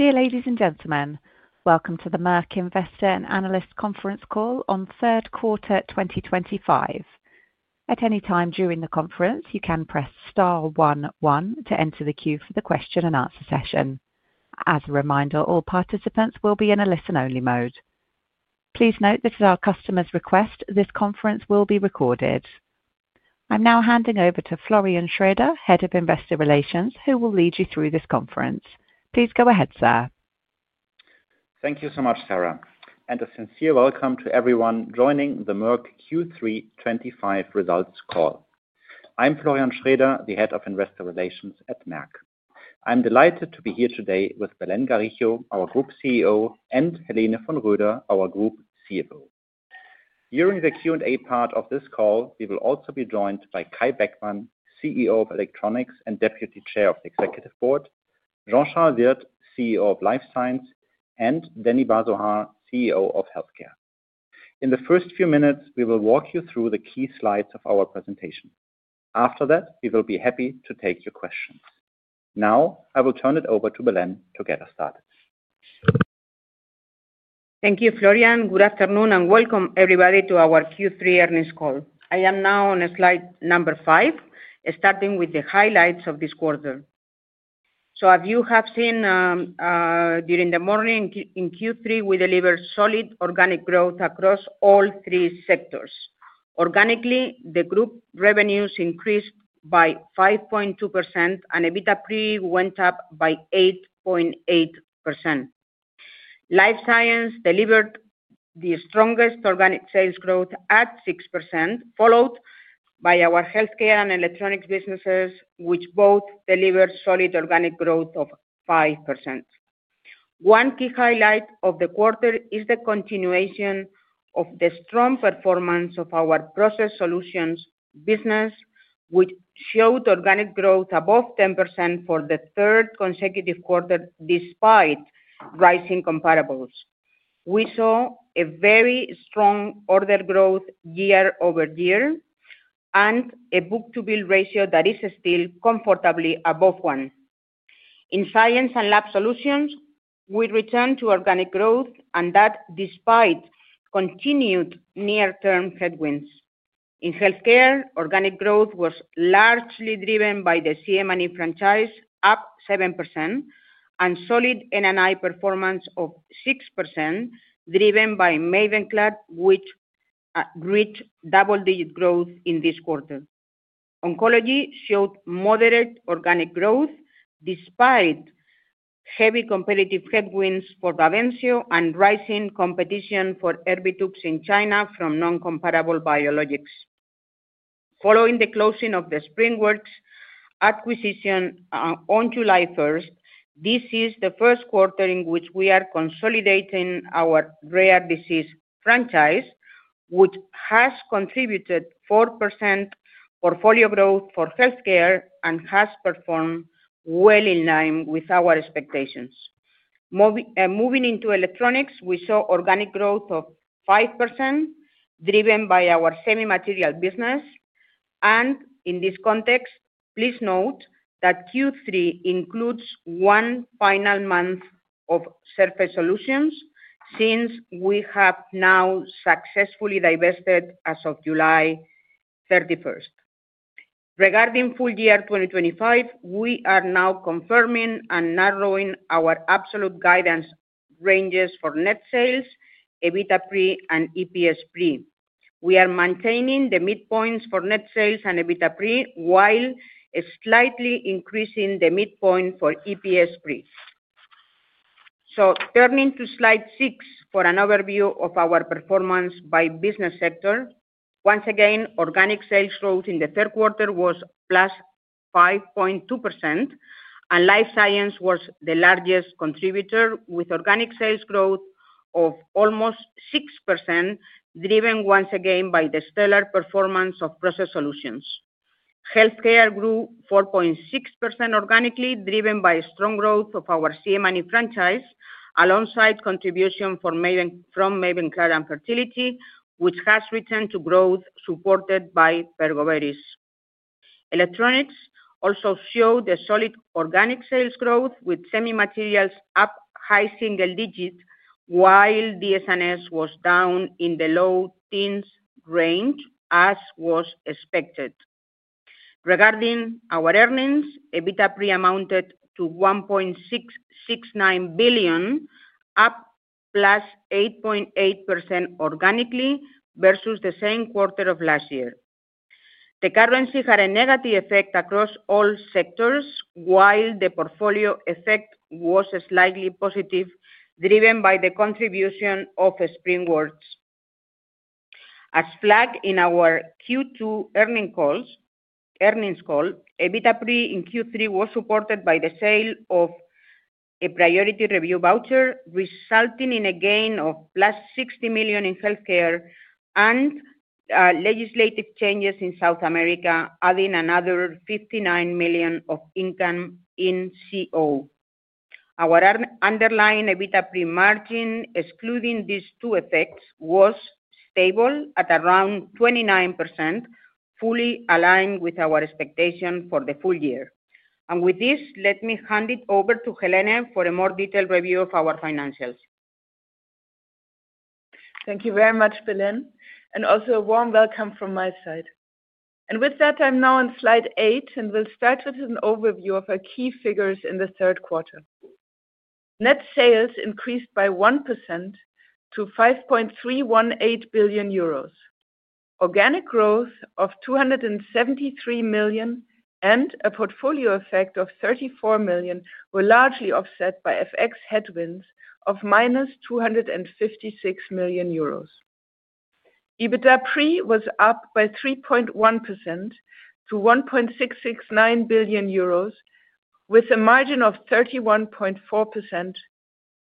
Dear ladies and gentlemen, welcome to the Merck Investor and Analyst Conference call on third quarter 2025. At any time during the conference, you can press star one one to enter the queue for the question and answer session. As a reminder, all participants will be in a listen-only mode. Please note this is at our customer's request. This conference will be recorded. I'm now handing over to Florian Schroeder, Head of Investor Relations, who will lead you through this conference. Please go ahead, sir. Thank you so much, Sarah, and a sincere welcome to everyone joining the Merck Q3 2025 results call. I'm Florian Schraeder, the Head of Investor Relations at Merck. I'm delighted to be here today with Belén Garijo, our Group CEO, and Helene von Roeder, our Group CFO. During the Q&A part of this call, we will also be joined by Kai Beckmann, CEO of Electronics and Deputy Chair of the Executive Board, Jean-Charles Wirth, CEO of Life Science, and Danny Bar-Zohar, CEO of Healthcare. In the first few minutes, we will walk you through the key slides of our presentation. After that, we will be happy to take your questions. Now, I will turn it over to Belén to get us started. Thank you, Florian. Good afternoon and welcome, everybody, to our Q3 earnings call. I am now on slide number five, starting with the highlights of this quarter. As you have seen during the morning, in Q3, we delivered solid organic growth across all three sectors. Organically, the group revenues increased by 5.2%, and EBITDA pre went up by 8.8%. Life Science delivered the strongest organic sales growth at 6%, followed by our healthcare and electronics businesses, which both delivered solid organic growth of 5%. One key highlight of the quarter is the continuation of the strong performance of our process solutions business, which showed organic growth above 10% for the third consecutive quarter despite rising comparables. We saw a very strong order growth year over year and a book-to-bill ratio that is still comfortably above one. In science and lab solutions, we returned to organic growth, and that despite continued near-term headwinds. In healthcare, organic growth was largely driven by the CM&E franchise, up 7%, and solid N&I performance of 6%, driven by Mavenclad, which reached double-digit growth in this quarter. Oncology showed moderate organic growth despite heavy competitive headwinds for Bavencio and rising competition for Erbitux in China from non-comparable biologics. Following the closing of the Springworks acquisition on July 1, this is the first quarter in which we are consolidating our rare disease franchise, which has contributed 4% portfolio growth for healthcare and has performed well in line with our expectations. Moving into electronics, we saw organic growth of 5%, driven by our semi-material business. In this context, please note that Q3 includes one final month of surface solutions since we have now successfully divested as of July 31. Regarding full year 2025, we are now confirming and narrowing our absolute guidance ranges for net sales, EBITDA pre, and EPS pre. We are maintaining the midpoints for net sales and EBITDA pre while slightly increasing the midpoint for EPS pre. Turning to slide six for an overview of our performance by business sector, once again, organic sales growth in the third quarter was +5.2%, and life science was the largest contributor with organic sales growth of almost 6%, driven once again by the stellar performance of process solutions. Healthcare grew 4.6% organically, driven by strong growth of our CM&E franchise alongside contribution from Mavenclad and Fertility, which has returned to growth supported by Pergoveris. Electronics also showed a solid organic sales growth with semi-materials up high single digit while DS&S was down in the low teens range, as was expected. Regarding our earnings, EBITDA pre amounted to 1.669 billion, up +8.8% organically versus the same quarter of last year. The currency had a negative effect across all sectors while the portfolio effect was slightly positive, driven by the contribution of Springworks. As flagged in our Q2 earnings call, EBITDA pre in Q3 was supported by the sale of a priority review voucher, resulting in a gain of 60 million in healthcare and legislative changes in South America, adding another 59 million of income in CO. Our underlying EBITDA pre margin, excluding these two effects, was stable at around 29%, fully aligned with our expectation for the full year. Let me hand it over to Helene for a more detailed review of our financials. Thank you very much, Belén. Also a warm welcome from my side. With that, I'm now on slide eight, and we'll start with an overview of our key figures in the third quarter. Net sales increased by 1% to 5.318 billion euros. Organic growth of 273 million and a portfolio effect of 34 million were largely offset by FX headwinds of -256 million euros. EBITDA pre was up by 3.1% to 1.669 billion euros with a margin of 31.4%,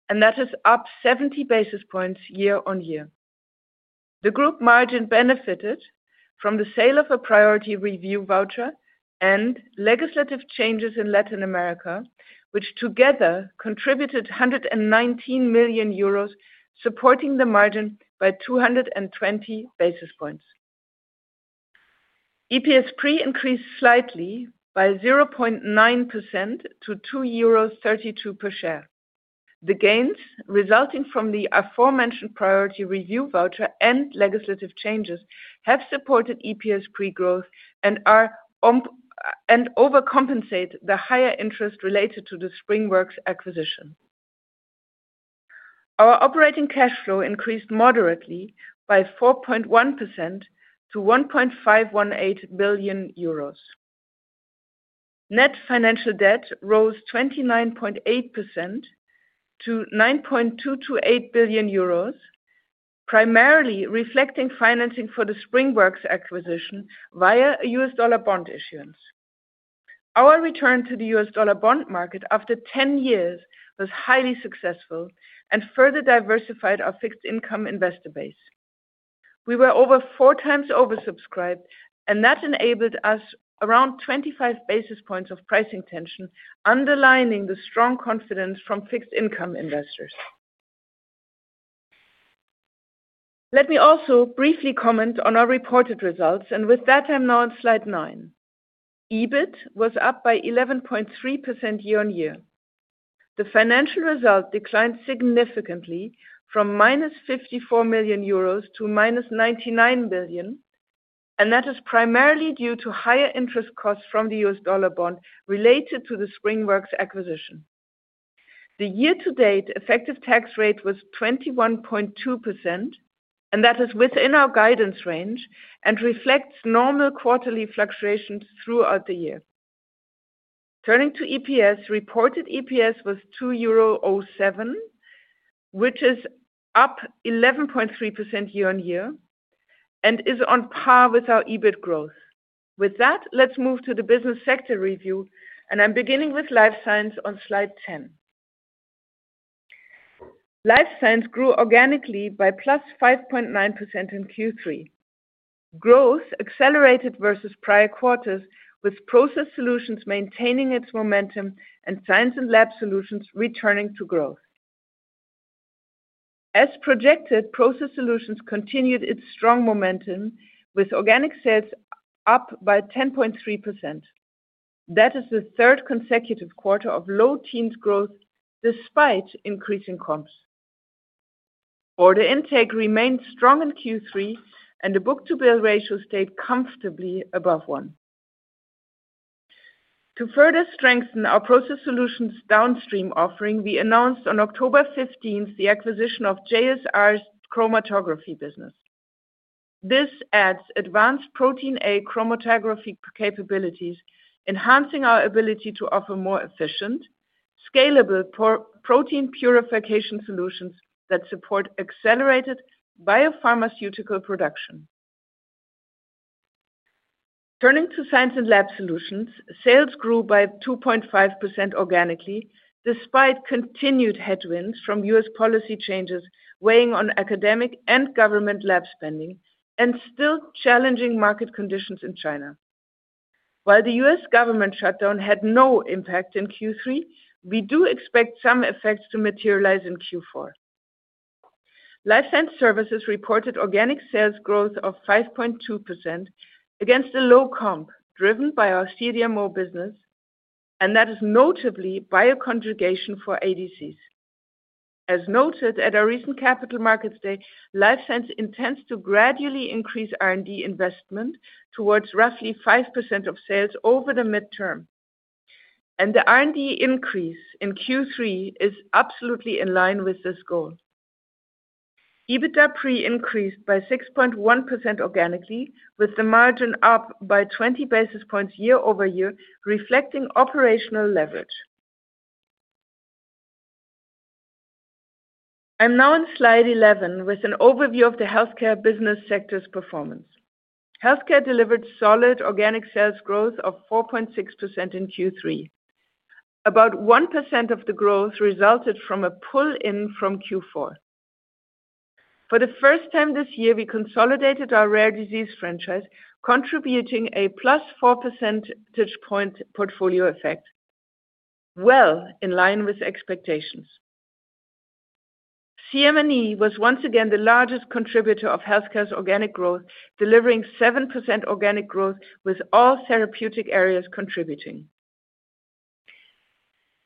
and that is up 70 basis points year on year. The group margin benefited from the sale of a priority review voucher and legislative changes in Latin America, which together contributed 119 million euros, supporting the margin by 220 basis points. EPS pre increased slightly by 0.9% to 2.32 euros per share. The gains resulting from the aforementioned priority review voucher and legislative changes have supported EPS pre growth and overcompensate the higher interest related to the Springworks acquisition. Our operating cash flow increased moderately by 4.1% to 1.518 billion euros. Net financial debt rose 29.8% to 9.228 billion euros, primarily reflecting financing for the Springworks acquisition via a US dollar bond issuance. Our return to the US dollar bond market after 10 years was highly successful and further diversified our fixed income investor base. We were over four times oversubscribed, and that enabled us around 25 basis points of pricing tension, underlining the strong confidence from fixed income investors. Let me also briefly comment on our reported results, and with that, I'm now on slide nine. EBIT was up by 11.3% year-on-year. The financial result declined significantly from -54 million euros to -99 million, and that is primarily due to higher interest costs from the $ bond related to the Springworks acquisition. The year-to-date effective tax rate was 21.2%, and that is within our guidance range and reflects normal quarterly fluctuations throughout the year. Turning to EPS, reported EPS was 2.07 euro, which is up 11.3% year on year and is on par with our EBIT growth. With that, let's move to the business sector review, and I'm beginning with life science on slide 10. Life science grew organically by +5.9% in Q3. Growth accelerated versus prior quarters, with process solutions maintaining its momentum and science and lab solutions returning to growth. As projected, process solutions continued its strong momentum, with organic sales up by 10.3%. That is the third consecutive quarter of low teens growth despite increasing comps. Order intake remained strong in Q3, and the book-to-bill ratio stayed comfortably above one. To further strengthen our process solutions downstream offering, we announced on October 15th the acquisition of JSR's chromatography business. This adds advanced protein A chromatography capabilities, enhancing our ability to offer more efficient, scalable protein purification solutions that support accelerated biopharmaceutical production. Turning to science and lab solutions, sales grew by 2.5% organically despite continued headwinds from US policy changes weighing on academic and government lab spending and still challenging market conditions in China. While the US government shutdown had no impact in Q3, we do expect some effects to materialize in Q4. Life science services reported organic sales growth of 5.2% against a low comp driven by our CDMO business, and that is notably bioconjugation for ADCs. As noted at our recent capital markets day, life science intends to gradually increase R&D investment towards roughly 5% of sales over the midterm, and the R&D increase in Q3 is absolutely in line with this goal. EBITDA pre increased by 6.1% organically, with the margin up by 20 basis points year over year, reflecting operational leverage. I'm now on slide 11 with an overview of the healthcare business sector's performance. Healthcare delivered solid organic sales growth of 4.6% in Q3. About 1% of the growth resulted from a pull-in from Q4. For the first time this year, we consolidated our rare disease franchise, contributing a +4 percentage point portfolio effect, well in line with expectations. CM&E was once again the largest contributor of healthcare's organic growth, delivering 7% organic growth with all therapeutic areas contributing.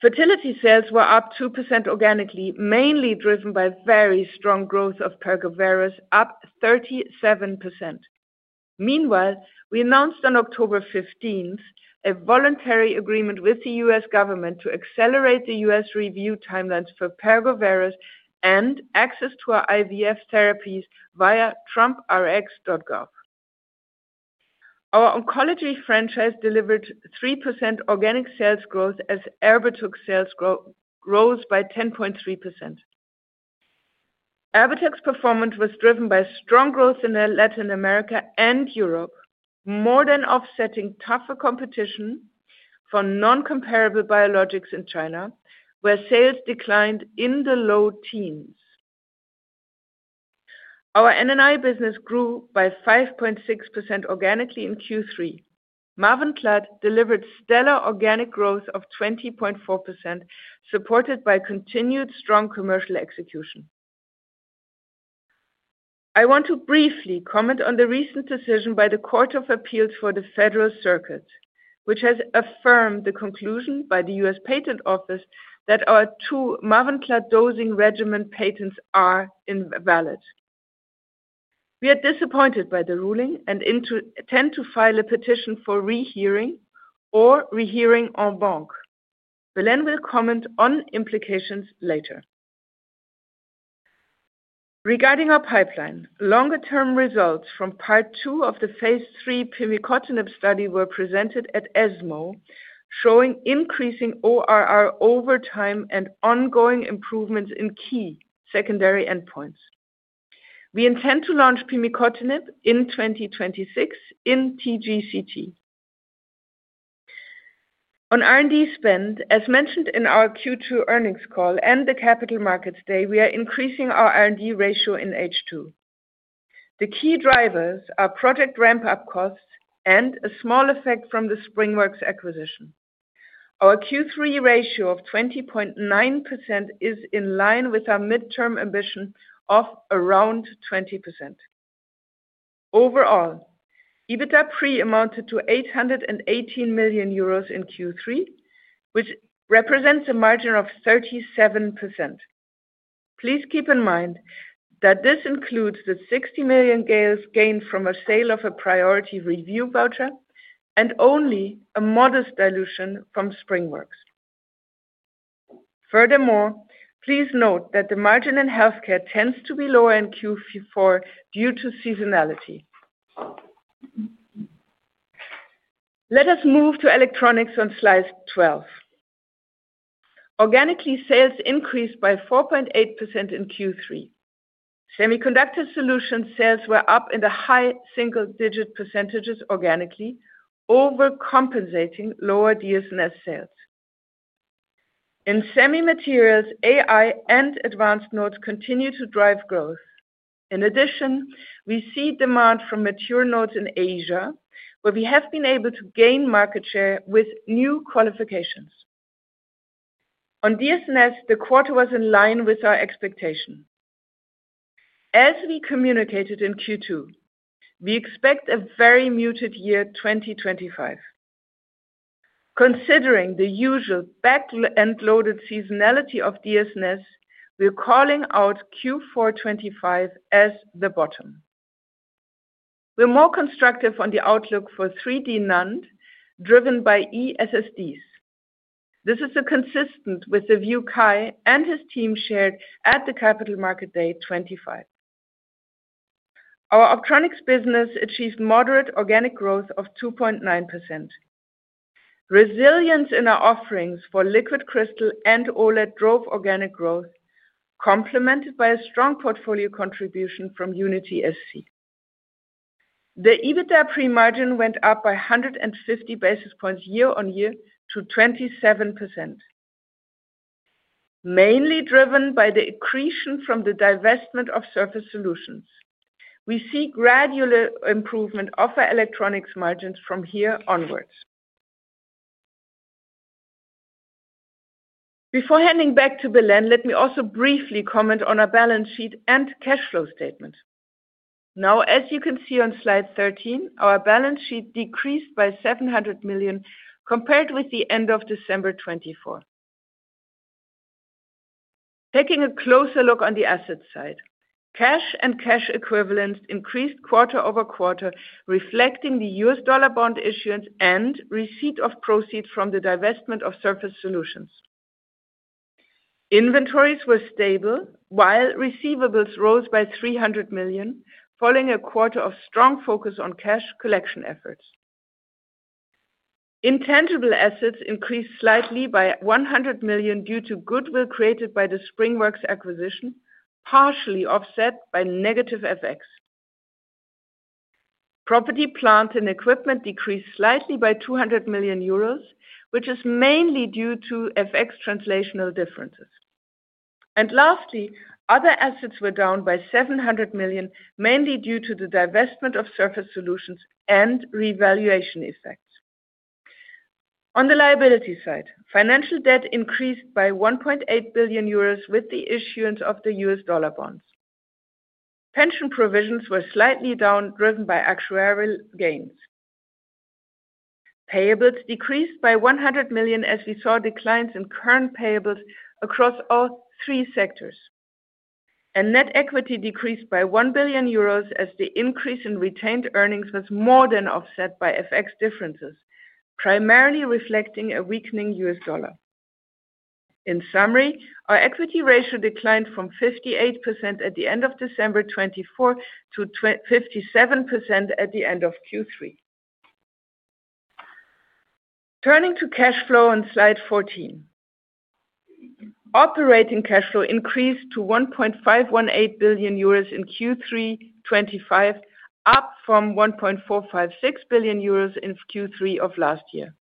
Fertility sales were up 2% organically, mainly driven by very strong growth of Pergoveris, up 37%. Meanwhile, we announced on October 15th a voluntary agreement with the U.S. government to accelerate the U.S. review timelines for Pergoveris and access to our IVF therapies via trumprx.gov. Our oncology franchise delivered 3% organic sales growth as Erbitux sales rose by 10.3%. Erbitux's performance was driven by strong growth in Latin America and Europe, more than offsetting tougher competition for non-comparable biologics in China, where sales declined in the low teens. Our N&I business grew by 5.6% organically in Q3. Mavenclad delivered stellar organic growth of 20.4%, supported by continued strong commercial execution. I want to briefly comment on the recent decision by the Court of Appeals for the Federal Circuit, which has affirmed the conclusion by the U.S. Patent Office that our two Mavenclad dosing regimen patents are invalid. We are disappointed by the ruling and intend to file a petition for rehearing or rehearing en banc. Belén will comment on implications later. Regarding our pipeline, longer-term results from part two of the phase three pimecotinib study were presented at ESMO, showing increasing ORR over time and ongoing improvements in key secondary endpoints. We intend to launch pimecotinib in 2026 in TGCT. On R&D spend, as mentioned in our Q2 earnings call and the capital markets day, we are increasing our R&D ratio in H2. The key drivers are project ramp-up costs and a small effect from the Springworks acquisition. Our Q3 ratio of 20.9% is in line with our midterm ambition of around 20%. Overall, EBITDA pre amounted to 818 million euros in Q3, which represents a margin of 37%. Please keep in mind that this includes the $60 million gain from a sale of a priority review voucher and only a modest dilution from Springworks. Furthermore, please note that the margin in healthcare tends to be lower in Q4 due to seasonality. Let us move to electronics on slide 12. Organically, sales increased by 4.8% in Q3. Semiconductor solution sales were up in the high single-digit percentages organically, overcompensating lower DS&S sales. In semi-materials, AI and advanced nodes continue to drive growth. In addition, we see demand from mature nodes in Asia, where we have been able to gain market share with new qualifications. On DS&S, the quarter was in line with our expectation. As we communicated in Q2, we expect a very muted year 2025. Considering the usual back-end loaded seasonality of DS&S, we're calling out Q4 2025 as the bottom. We're more constructive on the outlook for 3D NAND, driven by eSSDs. This is consistent with the view Kai and his team shared at the capital market day 2025. Our optronics business achieved moderate organic growth of 2.9%. Resilience in our offerings for liquid crystal and OLED drove organic growth, complemented by a strong portfolio contribution from Unity SC. The EBITDA pre-margin went up by 150 basis points year on year to 27%, mainly driven by the accretion from the divestment of surface solutions. We see gradual improvement of our electronics margins from here onwards. Before handing back to Belén, let me also briefly comment on our balance sheet and cash flow statement. Now, as you can see on slide 13, our balance sheet decreased by 700 million compared with the end of December 2024. Taking a closer look on the asset side, cash and cash equivalents increased quarter over quarter, reflecting the $US dollar bond issuance and receipt of proceeds from the divestment of surface solutions. Inventories were stable, while receivables rose by 300 million, following a quarter of strong focus on cash collection efforts. Intangible assets increased slightly by 100 million due to goodwill created by the Springworks acquisition, partially offset by negative FX. Property, plant, and equipment decreased slightly by 200 million euros, which is mainly due to FX translational differences. Lastly, other assets were down by 700 million, mainly due to the divestment of surface solutions and revaluation effects. On the liability side, financial debt increased by 1.8 billion euros with the issuance of the $US dollar bonds. Pension provisions were slightly down, driven by actuarial gains. Payables decreased by 100 million, as we saw declines in current payables across all three sectors. Net equity decreased by 1 billion euros, as the increase in retained earnings was more than offset by FX differences, primarily reflecting a weakening US dollar. In summary, our equity ratio declined from 58% at the end of December 2024 to 57% at the end of Q3. Turning to cash flow on slide 14, operating cash flow increased to 1.518 billion euros in Q3 2025, up from 1.456 billion euros in Q3 of last year.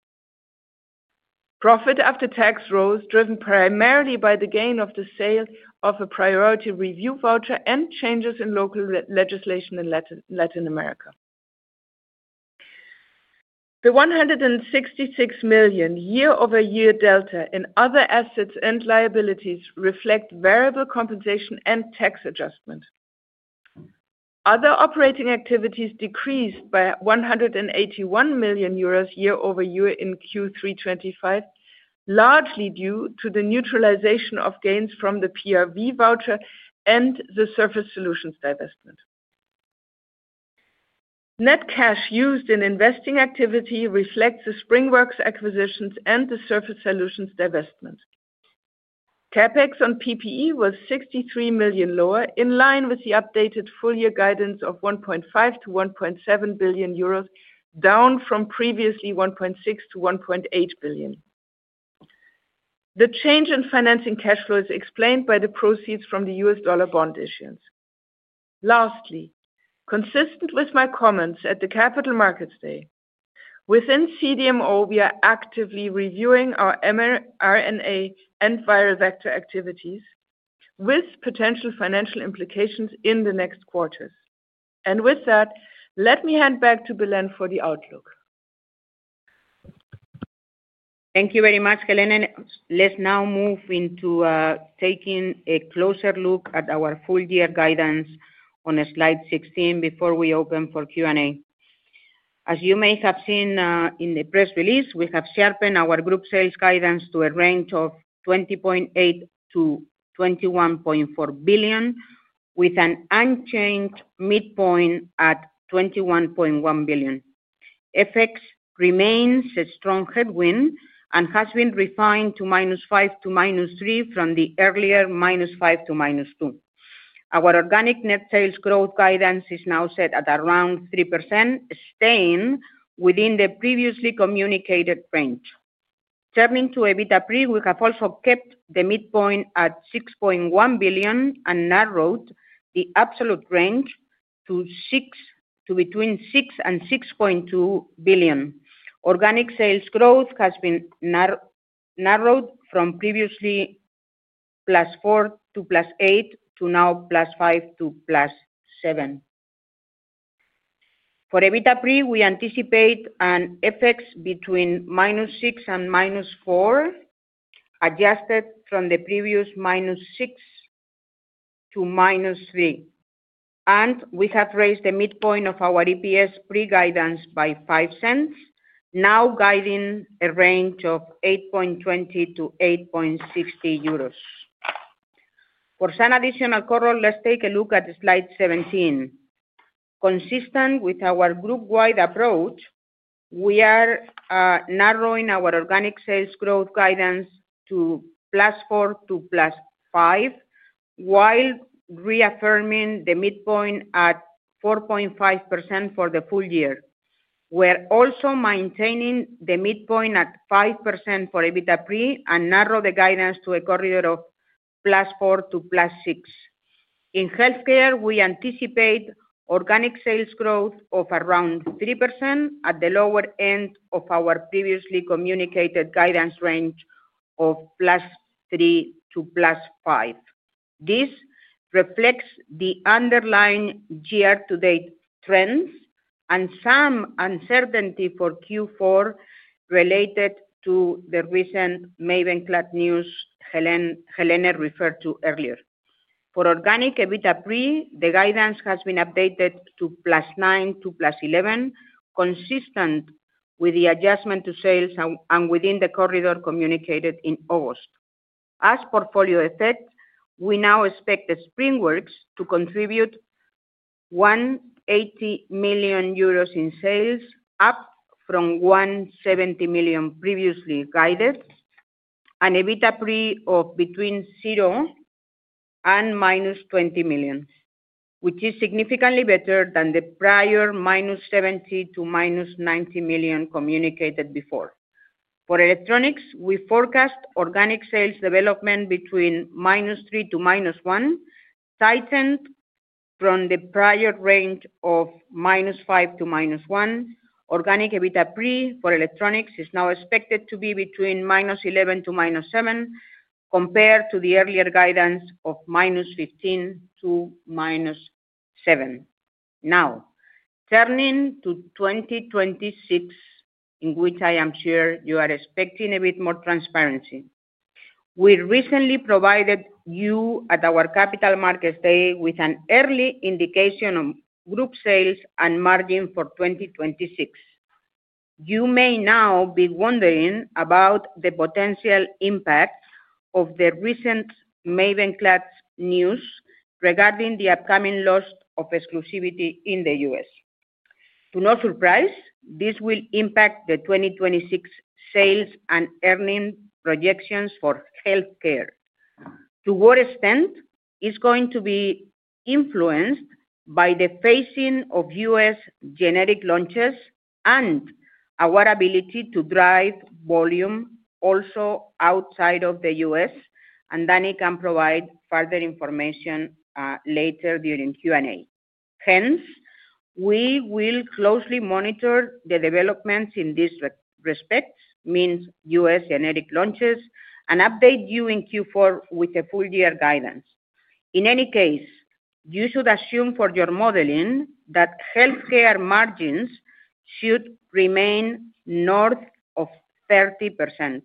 Profit after tax rose, driven primarily by the gain of the sale of a priority review voucher and changes in local legislation in Latin America. The 166 million year-over-year delta in other assets and liabilities reflects variable compensation and tax adjustment. Other operating activities decreased by 181 million euros year-over-year in Q3 2025, largely due to the neutralization of gains from the priority review voucher and the surface solutions divestment. Net cash used in investing activity reflects the Springworks acquisitions and the surface solutions divestment. CapEx on PPE was 63 million lower, in line with the updated full-year guidance of 1.5 billion-1.7 billion euros, down from previously 1.6 billion-1.8 billion. The change in financing cash flow is explained by the proceeds from the US dollar bond issuance. Lastly, consistent with my comments at the Capital Markets Day, within CDMO, we are actively reviewing our R&A and viral vector activities with potential financial implications in the next quarters. With that, let me hand back to Belén for the outlook. Thank you very much, Helene. Let's now move into taking a closer look at our full-year guidance on slide 16 before we open for Q&A. As you may have seen in the press release, we have sharpened our group sales guidance to a range of 20.8 billion-21.4 billion, with an unchanged midpoint at 21.1 billion. FX remains a strong headwind and has been refined to - 5% to -3% from the earlier -5% to -2%. Our organic net sales growth guidance is now set at around 3%, staying within the previously communicated range. Turning to EBITDA pre, we have also kept the midpoint at 6.1 billion and narrowed the absolute range to between 6 billion and 6.2 billion. Organic sales growth has been narrowed from previously +4% to +8% to now +5% to +7%. For EBITDA pre, we anticipate an FX between -6% and -4%, adjusted from the previous -6% to -3%. We have raised the midpoint of our EPS pre guidance by $0.05, now guiding a range of 8.20- 8.60 euros. For some additional color, let's take a look at slide 17. Consistent with our group-wide approach, we are narrowing our organic sales growth guidance to +4% to +5%, while reaffirming the midpoint at 4.5% for the full year. We are also maintaining the midpoint at 5% for EBITDA pre and narrow the guidance to a corridor of +4%-+6%. In healthcare, we anticipate organic sales growth of around 3% at the lower end of our previously communicated guidance range of +3% to +5%. This reflects the underlying year-to-date trends and some uncertainty for Q4 related to the recent Mavenclad news Helene referred to earlier. For organic EBITDA pre, the guidance has been updated to +9% to +11%, consistent with the adjustment to sales and within the corridor communicated in August. As portfolio effect, we now expect the Springworks to contribute 180 million euros in sales, up from 170 million previously guided, and EBITDA pre of between 0 and -20 million, which is significantly better than the prior -70 million to -90 million communicated before. For electronics, we forecast organic sales development between -3% to -1%, tightened from the prior range of -5% to -1%. Organic EBITDA pre for electronics is now expected to be between -11 million to -7 million, compared to the earlier guidance of -15 million to -7 million. Now, turning to 2026, in which I am sure you are expecting a bit more transparency. We recently provided you at our capital markets day with an early indication on group sales and margin for 2026. You may now be wondering about the potential impact of the recent Mavenclad news regarding the upcoming loss of exclusivity in the US. To no surprise, this will impact the 2026 sales and earning projections for healthcare. To what extent is going to be influenced by the phasing of US generic launches and our ability to drive volume also outside of the US, and Danny can provide further information later during Q&A. Hence, we will closely monitor the developments in this respect, means US generic launches, and update you in Q4 with a full-year guidance. In any case, you should assume for your modeling that healthcare margins should remain north of 30%.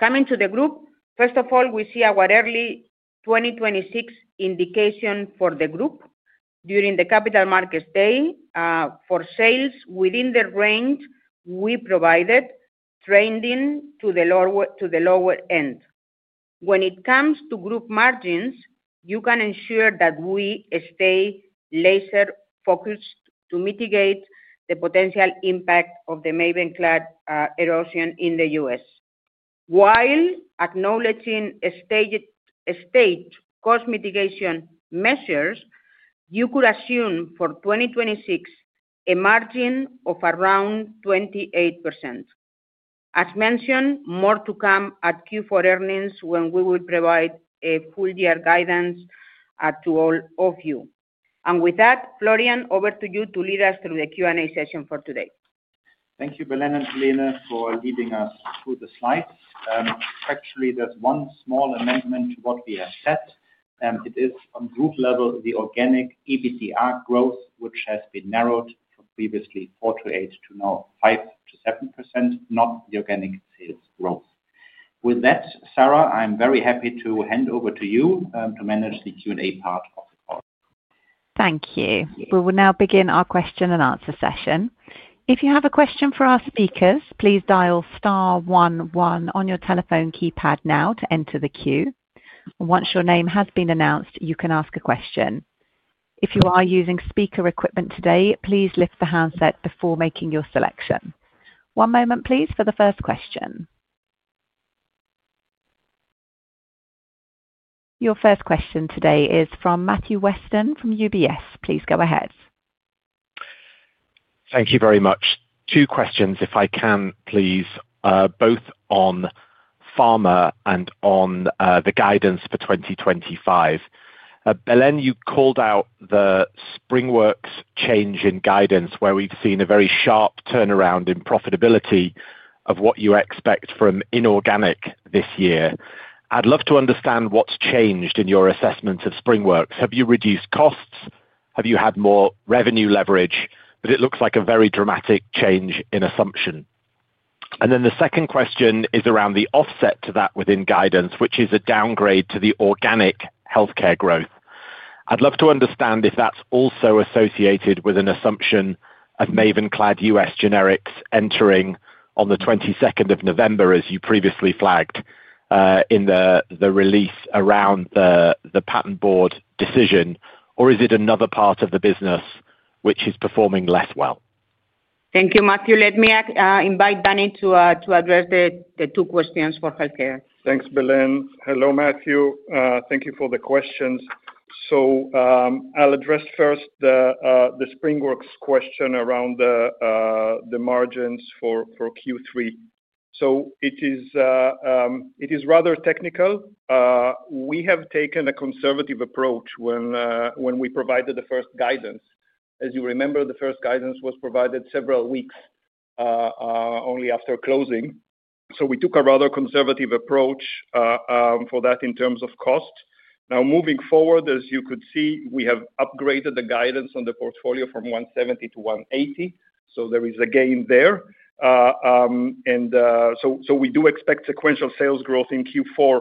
Coming to the group, first of all, we see our early 2026 indication for the group. During the capital markets day, for sales, within the range we provided, trending to the lower end. When it comes to group margins, you can ensure that we stay laser-focused to mitigate the potential impact of the Mavenclad erosion in the US. While acknowledging staged cost mitigation measures, you could assume for 2026 a margin of around 28%. As mentioned, more to come at Q4 earnings when we will provide a full-year guidance to all of you. With that, Florian, over to you to lead us through the Q&A session for today. Thank you, Belén and Helene, for leading us through the slides. Actually, there's one small amendment to what we have said. It is on group level, the organic EBITDA growth, which has been narrowed from previously 4%-8% to now 5%-10%, not the organic sales growth. With that, Sarah, I'm very happy to hand over to you to manage the Q&A part of the call. Thank you. We will now begin our question and answer session. If you have a question for our speakers, please dial star one one on your telephone keypad now to enter the queue. Once your name has been announced, you can ask a question. If you are using speaker equipment today, please lift the handset before making your selection. One moment, please, for the first question. Your first question today is from Matthew Weston from UBS. Please go ahead. Thank you very much. Two questions, if I can, please, both on pharma and on the guidance for 2025. Belén, you called out the Springworks change in guidance, where we've seen a very sharp turnaround in profitability of what you expect from inorganic this year. I'd love to understand what's changed in your assessment of Springworks. Have you reduced costs? Have you had more revenue leverage? It looks like a very dramatic change in assumption. The second question is around the offset to that within guidance, which is a downgrade to the organic healthcare growth. I'd love to understand if that's also associated with an assumption of Mavenclad US generics entering on the 22nd of November, as you previously flagged in the release around the patent board decision, or is it another part of the business which is performing less well? Thank you, Matthew. Let me invite Danny to address the two questions for healthcare. Thanks, Belén. Hello, Matthew. Thank you for the questions. I'll address first the Springworks question around the margins for Q3. It is rather technical. We have taken a conservative approach when we provided the first guidance. As you remember, the first guidance was provided several weeks only after closing. We took a rather conservative approach for that in terms of cost. Now, moving forward, as you could see, we have upgraded the guidance on the portfolio from 170 million-EUR $180 million. There is a gain there. We do expect sequential sales growth in Q4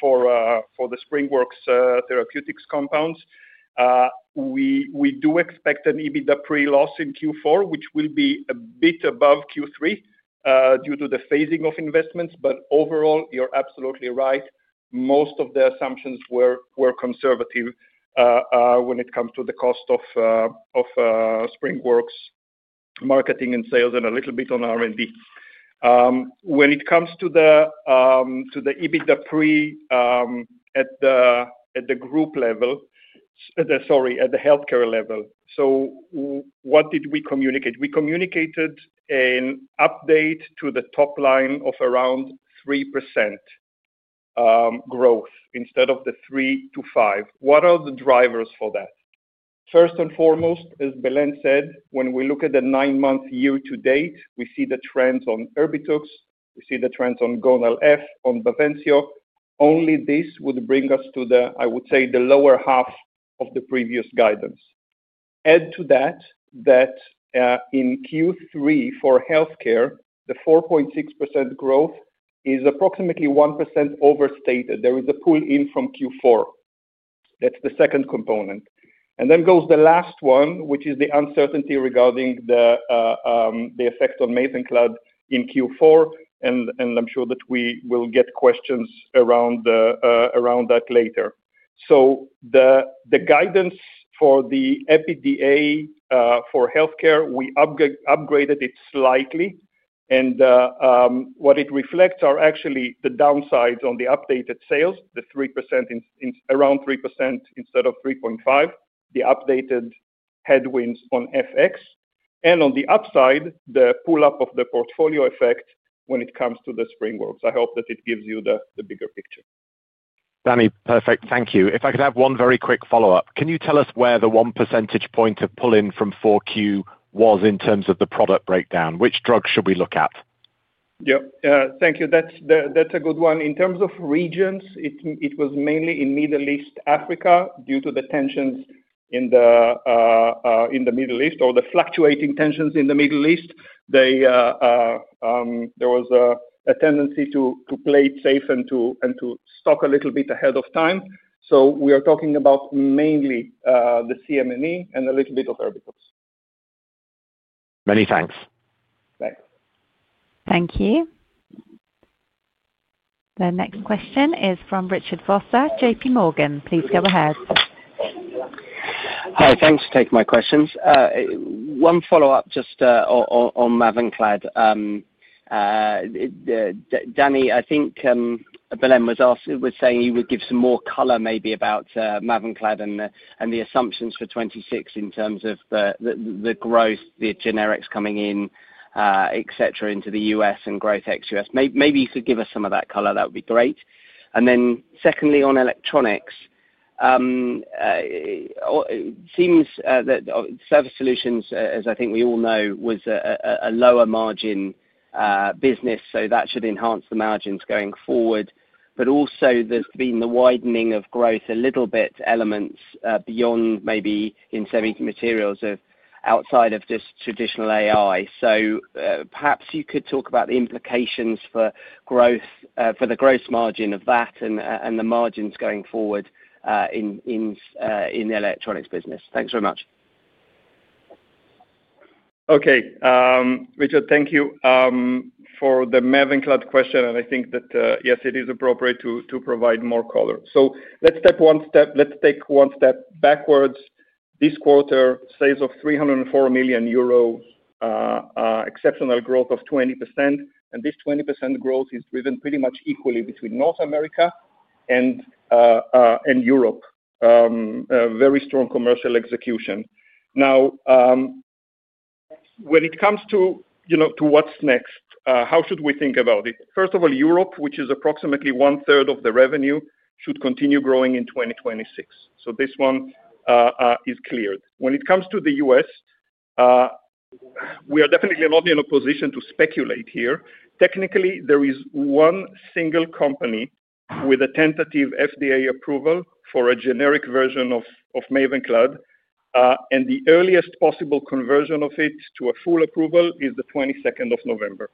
for the Springworks Therapeutics compounds. We do expect an EBITDA pre loss in Q4, which will be a bit above Q3 due to the phasing of investments. Overall, you're absolutely right. Most of the assumptions were conservative when it comes to the cost of Springworks marketing and sales and a little bit on R&D. When it comes to the EBITDA pre at the group level, sorry, at the healthcare level, so what did we communicate? We communicated an update to the top line of around 3% growth instead of the 3%-5%. What are the drivers for that? First and foremost, as Belén said, when we look at the nine-month year-to-date, we see the trends on Erbitux. We see the trends on Gonal-F, on Bavencio. Only this would bring us to the, I would say, the lower half of the previous guidance. Add to that that in Q3 for healthcare, the 4.6% growth is approximately 1% overstated. There is a pull-in from Q4. That is the second component. Then goes the last one, which is the uncertainty regarding the effect on Mavenclad in Q4. I am sure that we will get questions around that later. The guidance for the EBITDA for healthcare, we upgraded it slightly. What it reflects are actually the downsides on the updated sales, the 3%, around 3% instead of 3.5%, the updated headwinds on FX. On the upside, the pull-up of the portfolio effect when it comes to the Springworks. I hope that it gives you the bigger picture. Danny, perfect. Thank you. If I could have one very quick follow-up, can you tell us where the one percentage point of pull-in from Q4 was in terms of the product breakdown? Which drugs should we look at? Yep. Thank you. That is a good one. In terms of regions, it was mainly in Middle East, Africa, due to the tensions in the Middle East or the fluctuating tensions in the Middle East. There was a tendency to play it safe and to stock a little bit ahead of time. We are talking about mainly the CM&E and a little bit of Erbitux. Many thanks. Thank you. The next question is from Richard Vosser, JPMorgan. Please go ahead. Hi, thanks for taking my questions. One follow-up just on Mavenclad. Danny, I think Belén was saying you would give some more color maybe about Mavenclad and the assumptions for 2026 in terms of the growth, the generics coming in, etc., into the US and growth ex US. Maybe you could give us some of that color. That would be great. Secondly, on electronics, it seems that service solutions, as I think we all know, was a lower margin business, so that should enhance the margins going forward. Also, there has been the widening of growth a little bit, elements beyond maybe in semi-materials outside of just traditional AI. Perhaps you could talk about the implications for the gross margin of that and the margins going forward in the electronics business. Thanks very much. Okay. Richard, thank you for the Mavenclad question. I think that, yes, it is appropriate to provide more color. Let's take one step backwards. This quarter, sales of 304 million euros, exceptional growth of 20%. This 20% growth is driven pretty much equally between North America and Europe. Very strong commercial execution. Now, when it comes to what's next, how should we think about it? First of all, Europe, which is approximately one-third of the revenue, should continue growing in 2026. This one is cleared. When it comes to the US, we are definitely not in a position to speculate here. Technically, there is one single company with a tentative FDA approval for a generic version of Mavenclad. The earliest possible conversion of it to a full approval is the 22nd of November.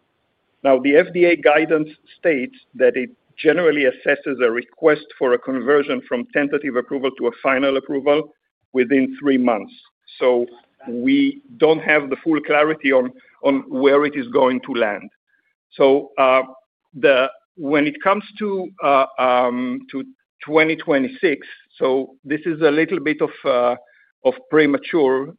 Now, the FDA guidance states that it generally assesses a request for a conversion from tentative approval to a final approval within three months. We do not have the full clarity on where it is going to land. When it comes to 2026, this is a little bit premature.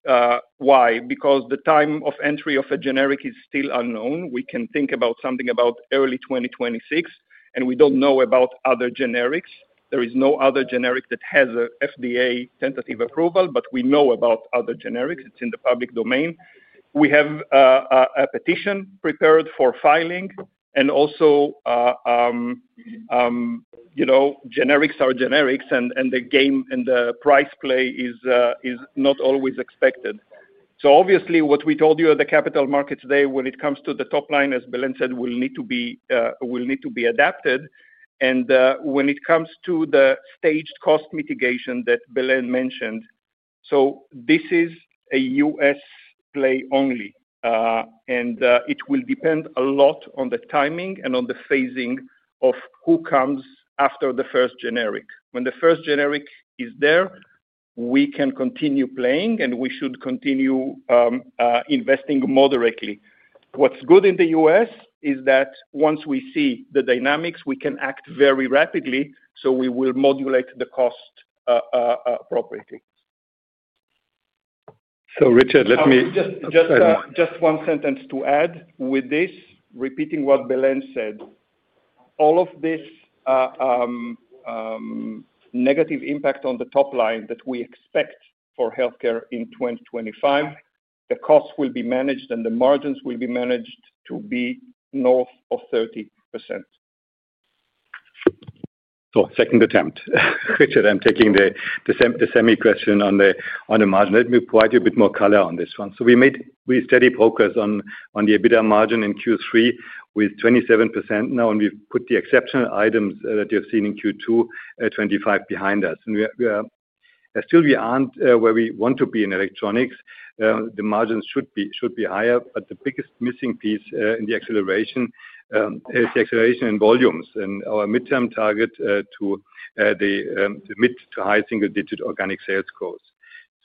Why? Because the time of entry of a generic is still unknown. We can think about something about early 2026, and we do not know about other generics. There is no other generic that has an FDA tentative approval, but we know about other generics. It is in the public domain. We have a petition prepared for filing. Generics are generics, and the game and the price play is not always expected. Obviously, what we told you at the capital markets day when it comes to the top line, as Belén said, will need to be adapted. When it comes to the staged cost mitigation that Belén mentioned, this is a US play only. It will depend a lot on the timing and on the phasing of who comes after the first generic. When the first generic is there, we can continue playing, and we should continue investing moderately. What's good in the US is that once we see the dynamics, we can act very rapidly, so we will modulate the cost appropriately. Just add one sentence to this, repeating what Belén said. All of this negative impact on the top line that we expect for healthcare in 2025, the cost will be managed, and the margins will be managed to be north of 30%. Second attempt. Richard, I'm taking the semi-question on the margin. Let me provide you a bit more color on this one. We made steady progress on the EBITDA margin in Q3 with 27% now. We have put the exceptional items that you have seen in Q2 at 25% behind us. Still, we are not where we want to be in electronics. The margins should be higher, but the biggest missing piece in the acceleration is the acceleration in volumes and our midterm target to the mid to high single-digit organic sales growth.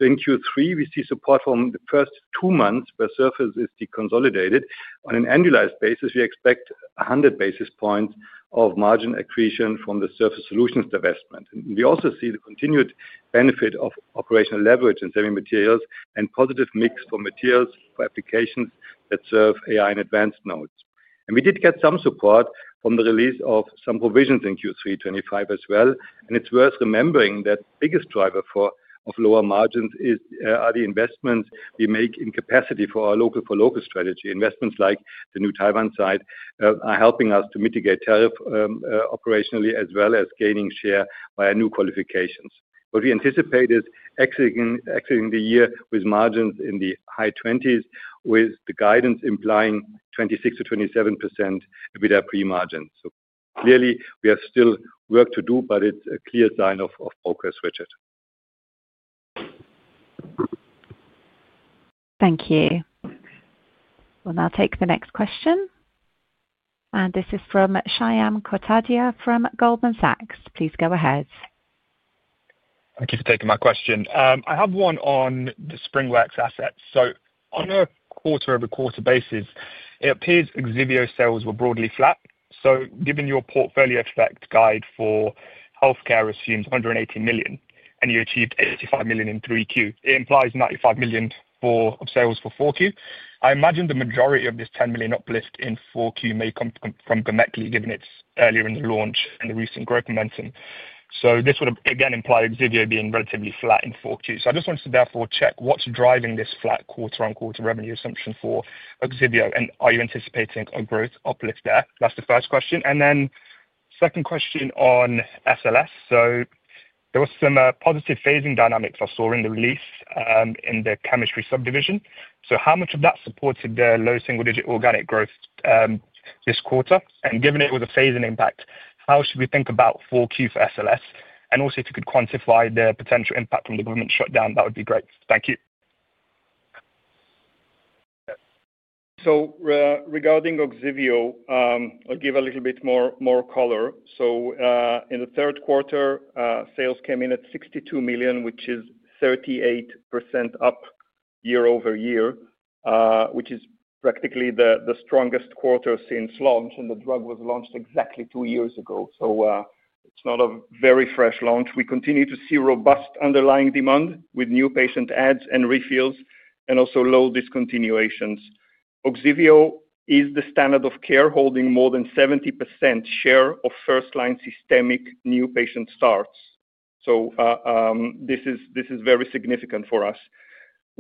In Q3, we see support from the first two months where surface is de-consolidated. On an annualized basis, we expect 100 basis points of margin accretion from the surface solutions divestment. We also see the continued benefit of operational leverage in semi-materials and positive mix for materials for applications that serve AI and advanced nodes. We did get some support from the release of some provisions in Q3 2025 as well. It is worth remembering that the biggest driver of lower margins are the investments we make in capacity for our local strategy. Investments like the new Taiwan site are helping us to mitigate tariff operationally as well as gaining share via new qualifications. What we anticipate is exiting the year with margins in the high 20s, with the guidance implying 26%-27% EBITDA pre-margin. Clearly, we have still work to do, but it is a clear sign of progress, Richard. Thank you. We will now take the next question. This is from Shyam Kotadia from Goldman Sachs. Please go ahead. Thank you for taking my question. I have one on the Springworks assets. On a quarter-over-quarter basis, it appears Ogsiveo sales were broadly flat. Given your portfolio effect guide for healthcare assumes 180 million, and you achieved 85 million in 3Q, it implies 95 million of sales for 4Q. I imagine the majority of this 10 million uplift in 4Q may come from Gomekli, given it is earlier in the launch and the recent growth momentum. This would, again, imply Ogsiveo being relatively flat in 4Q. I just wanted to therefore check what is driving this flat quarter-on-quarter revenue assumption for Ogsiveo, and are you anticipating a growth uplift there? That is the first question. The second question is on SLS. There were some positive phasing dynamics I saw in the release in the chemistry subdivision. How much of that supported the low single-digit organic growth this quarter? Given it was a phasing impact, how should we think about Q4 for SLS? Also, if you could quantify the potential impact from the government shutdown, that would be great. Thank you. Regarding Ogsiveo, I'll give a little bit more color. In the third quarter, sales came in at $62 million, which is 38% up year over year, which is practically the strongest quarter since launch. The drug was launched exactly two years ago, so it's not a very fresh launch. We continue to see robust underlying demand with new patient adds and refills and also low discontinuations. Ogsiveo is the standard of care holding more than 70% share of first-line systemic new patient starts. This is very significant for us.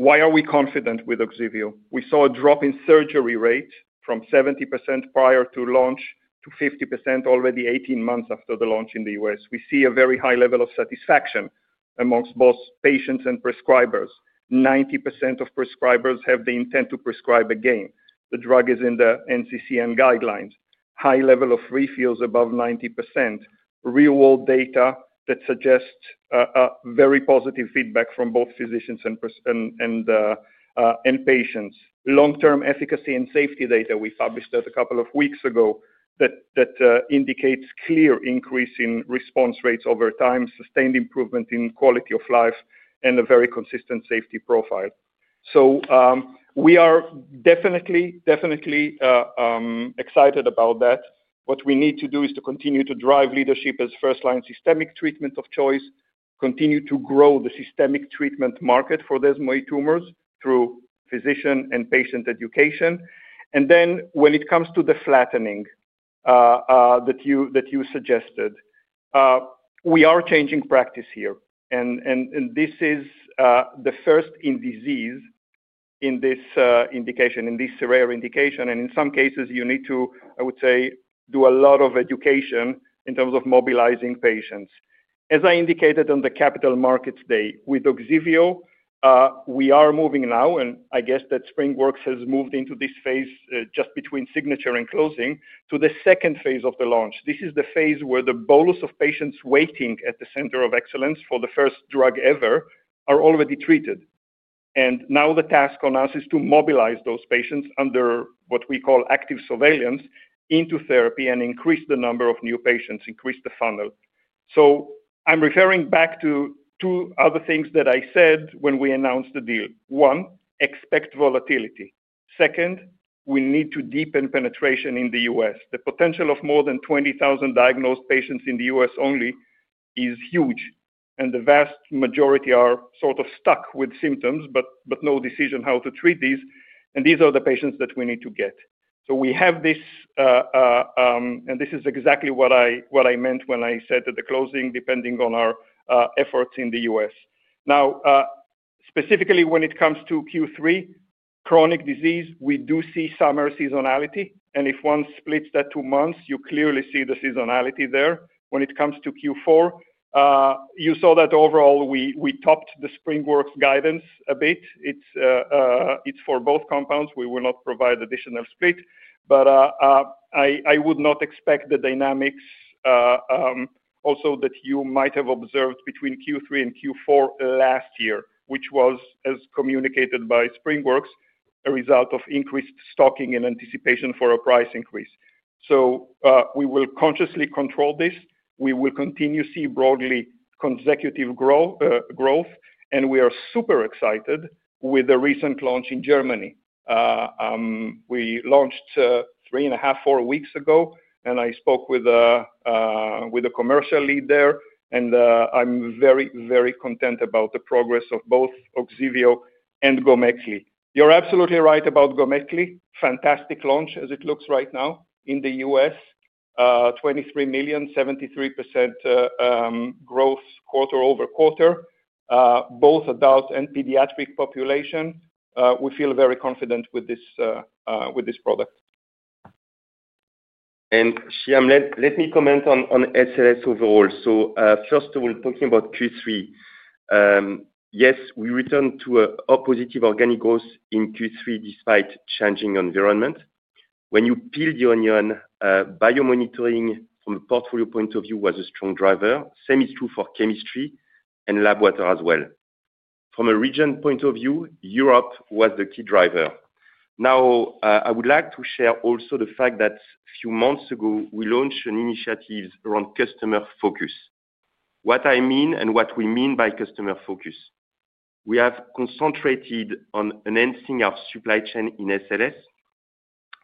Why are we confident with Ogsiveo? We saw a drop in surgery rate from 70% prior to launch to 50% already 18 months after the launch in the US. We see a very high level of satisfaction amongst both patients and prescribers. 90% of prescribers have the intent to prescribe again. The drug is in the NCCN guidelines. High level of refills above 90%. Real-world data that suggests very positive feedback from both physicians and patients. Long-term efficacy and safety data we published a couple of weeks ago that indicates clear increase in response rates over time, sustained improvement in quality of life, and a very consistent safety profile. We are definitely excited about that. What we need to do is to continue to drive leadership as first-line systemic treatment of choice, continue to grow the systemic treatment market for desmoid tumors through physician and patient education. When it comes to the flattening that you suggested, we are changing practice here. This is the first in disease in this indication, in this rare indication. In some cases, you need to, I would say, do a lot of education in terms of mobilizing patients. As I indicated on the capital markets day, with Ogsiveo, we are moving now. I guess that Springworks has moved into this phase just between signature and closing to the second phase of the launch. This is the phase where the bolus of patients waiting at the center of excellence for the first drug ever are already treated. Now the task on us is to mobilize those patients under what we call active surveillance into therapy and increase the number of new patients, increase the funnel. I'm referring back to two other things that I said when we announced the deal. One, expect volatility. Second, we need to deepen penetration in the US. The potential of more than 20,000 diagnosed patients in the US only is huge. The vast majority are sort of stuck with symptoms but no decision how to treat these. These are the patients that we need to get. We have this, and this is exactly what I meant when I said that the closing, depending on our efforts in the US. Now, specifically when it comes to Q3, chronic disease, we do see summer seasonality. If one splits that two months, you clearly see the seasonality there. When it comes to Q4, you saw that overall we topped the Springworks guidance a bit. It's for both compounds. We will not provide additional split. I would not expect the dynamics also that you might have observed between Q3 and Q4 last year, which was, as communicated by Springworks, a result of increased stocking and anticipation for a price increase. We will consciously control this. We will continue to see broadly consecutive growth. We are super excited with the recent launch in Germany. We launched three and a half, four weeks ago, and I spoke with a commercial lead there. I am very, very content about the progress of both Ogsiveo and Gonal-F. You are absolutely right about Gonal-F. Fantastic launch as it looks right now in the US, 23 million, 73% growth quarter over quarter, both adult and pediatric population. We feel very confident with this product. Shyam, let me comment on SLS overall. First of all, talking about Q3, yes, we returned to a positive organic growth in Q3 despite changing environment. When you peel the onion, biomonitoring from a portfolio point of view was a strong driver. Same is true for chemistry and lab water as well. From a region point of view, Europe was the key driver. I would like to share also the fact that a few months ago, we launched an initiative around customer focus. What I mean and what we mean by customer focus, we have concentrated on enhancing our supply chain in SLS,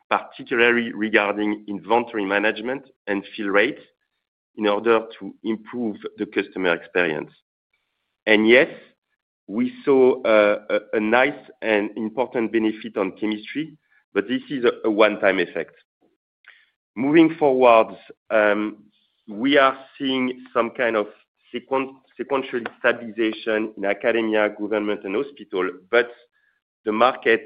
particularly regarding inventory management and fill rates in order to improve the customer experience. Yes, we saw a nice and important benefit on chemistry, but this is a one-time effect. Moving forward, we are seeing some kind of sequential stabilization in academia, government, and hospital, but the market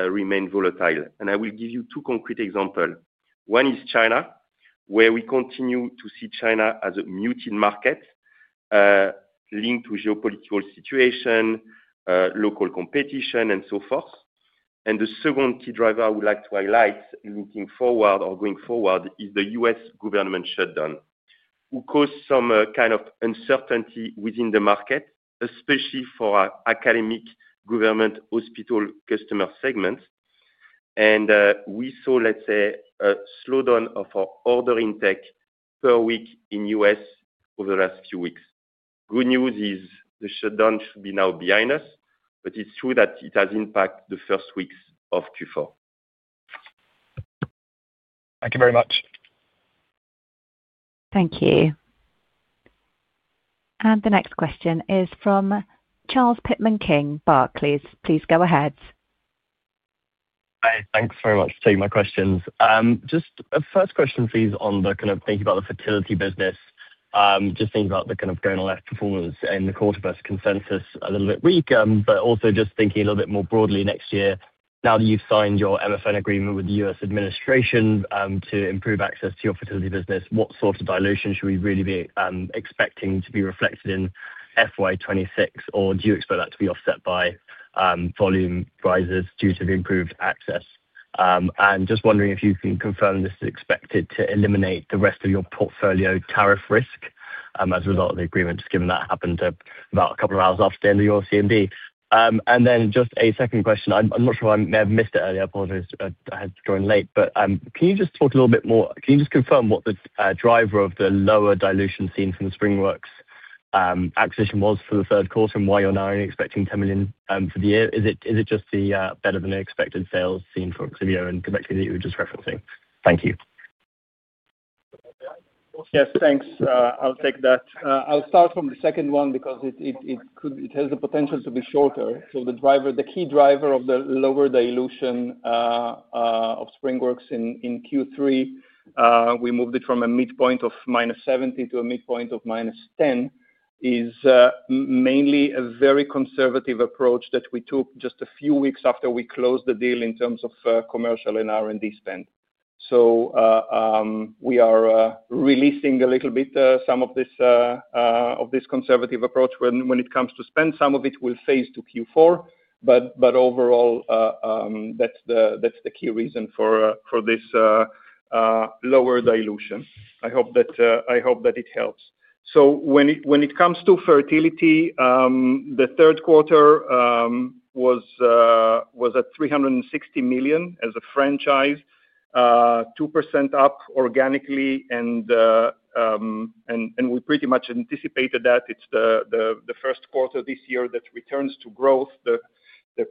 remains volatile. I will give you two concrete examples. One is China, where we continue to see China as a muted market linked to geopolitical situation, local competition, and so forth. The second key driver I would like to highlight looking forward or going forward is the US government shutdown, which caused some kind of uncertainty within the market, especially for academic, government, hospital customer segments. We saw, let's say, a slowdown of our ordering tech per week in the US over the last few weeks. Good news is the shutdown should be now behind us, but it's true that it has impacted the first weeks of Q4. Thank you very much. Thank you. The next question is from Charles Pitman-King, Barclays. Please go ahead. Hi. Thanks very much for taking my questions. Just a first question, please, on the kind of thinking about the fertility business, just thinking about the kind of going on that performance and the quarter-verse consensus a little bit weak, but also just thinking a little bit more broadly next year. Now that you've signed your MFN agreement with the US administration to improve access to your fertility business, what sort of dilution should we really be expecting to be reflected in FY2026, or do you expect that to be offset by volume rises due to the improved access? Just wondering if you can confirm this is expected to eliminate the rest of your portfolio tariff risk as a result of the agreement, just given that happened about a couple of hours after the end of your CMD. Then just a second question. I'm not sure I may have missed it earlier. I apologize. I had to join late. Can you just talk a little bit more? Can you just confirm what the driver of the lower dilution seen from the Springworks acquisition was for the third quarter and why you're now only expecting $10 million for the year? Is it just the better-than-expected sales seen for exhibitor and exactly that you were just referencing? Thank you. Yes, thanks. I'll take that. I'll start from the second one because it has the potential to be shorter. The key driver of the lower dilution of Springworks in Q3, we moved it from a midpoint of -70 to a midpoint of -10, is mainly a very conservative approach that we took just a few weeks after we closed the deal in terms of commercial and R&D spend. We are releasing a little bit of this conservative approach when it comes to spend. Some of it will phase to Q4. Overall, that's the key reason for this lower dilution. I hope that it helps. When it comes to fertility, the third quarter was at 360 million as a franchise, 2% up organically. We pretty much anticipated that. It's the first quarter this year that returns to growth. The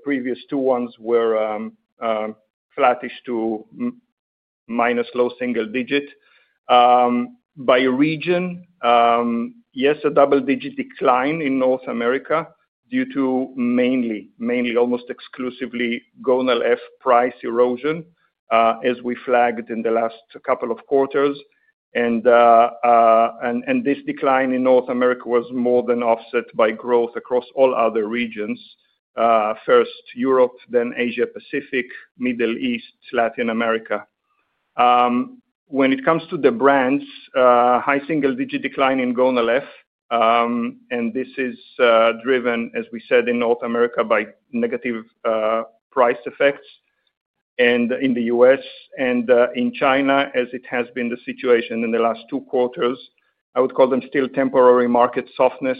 previous two ones were flattish to minus low single digit. By region, yes, a double-digit decline in North America due to mainly, almost exclusively, Gonal-F price erosion, as we flagged in the last couple of quarters. This decline in North America was more than offset by growth across all other regions, first Europe, then Asia-Pacific, Middle East, Latin America. When it comes to the brands, high single-digit decline in Gonal-F, and this is driven, as we said, in North America by negative price effects. In the US and in China, as it has been the situation in the last two quarters, I would call them still temporary market softness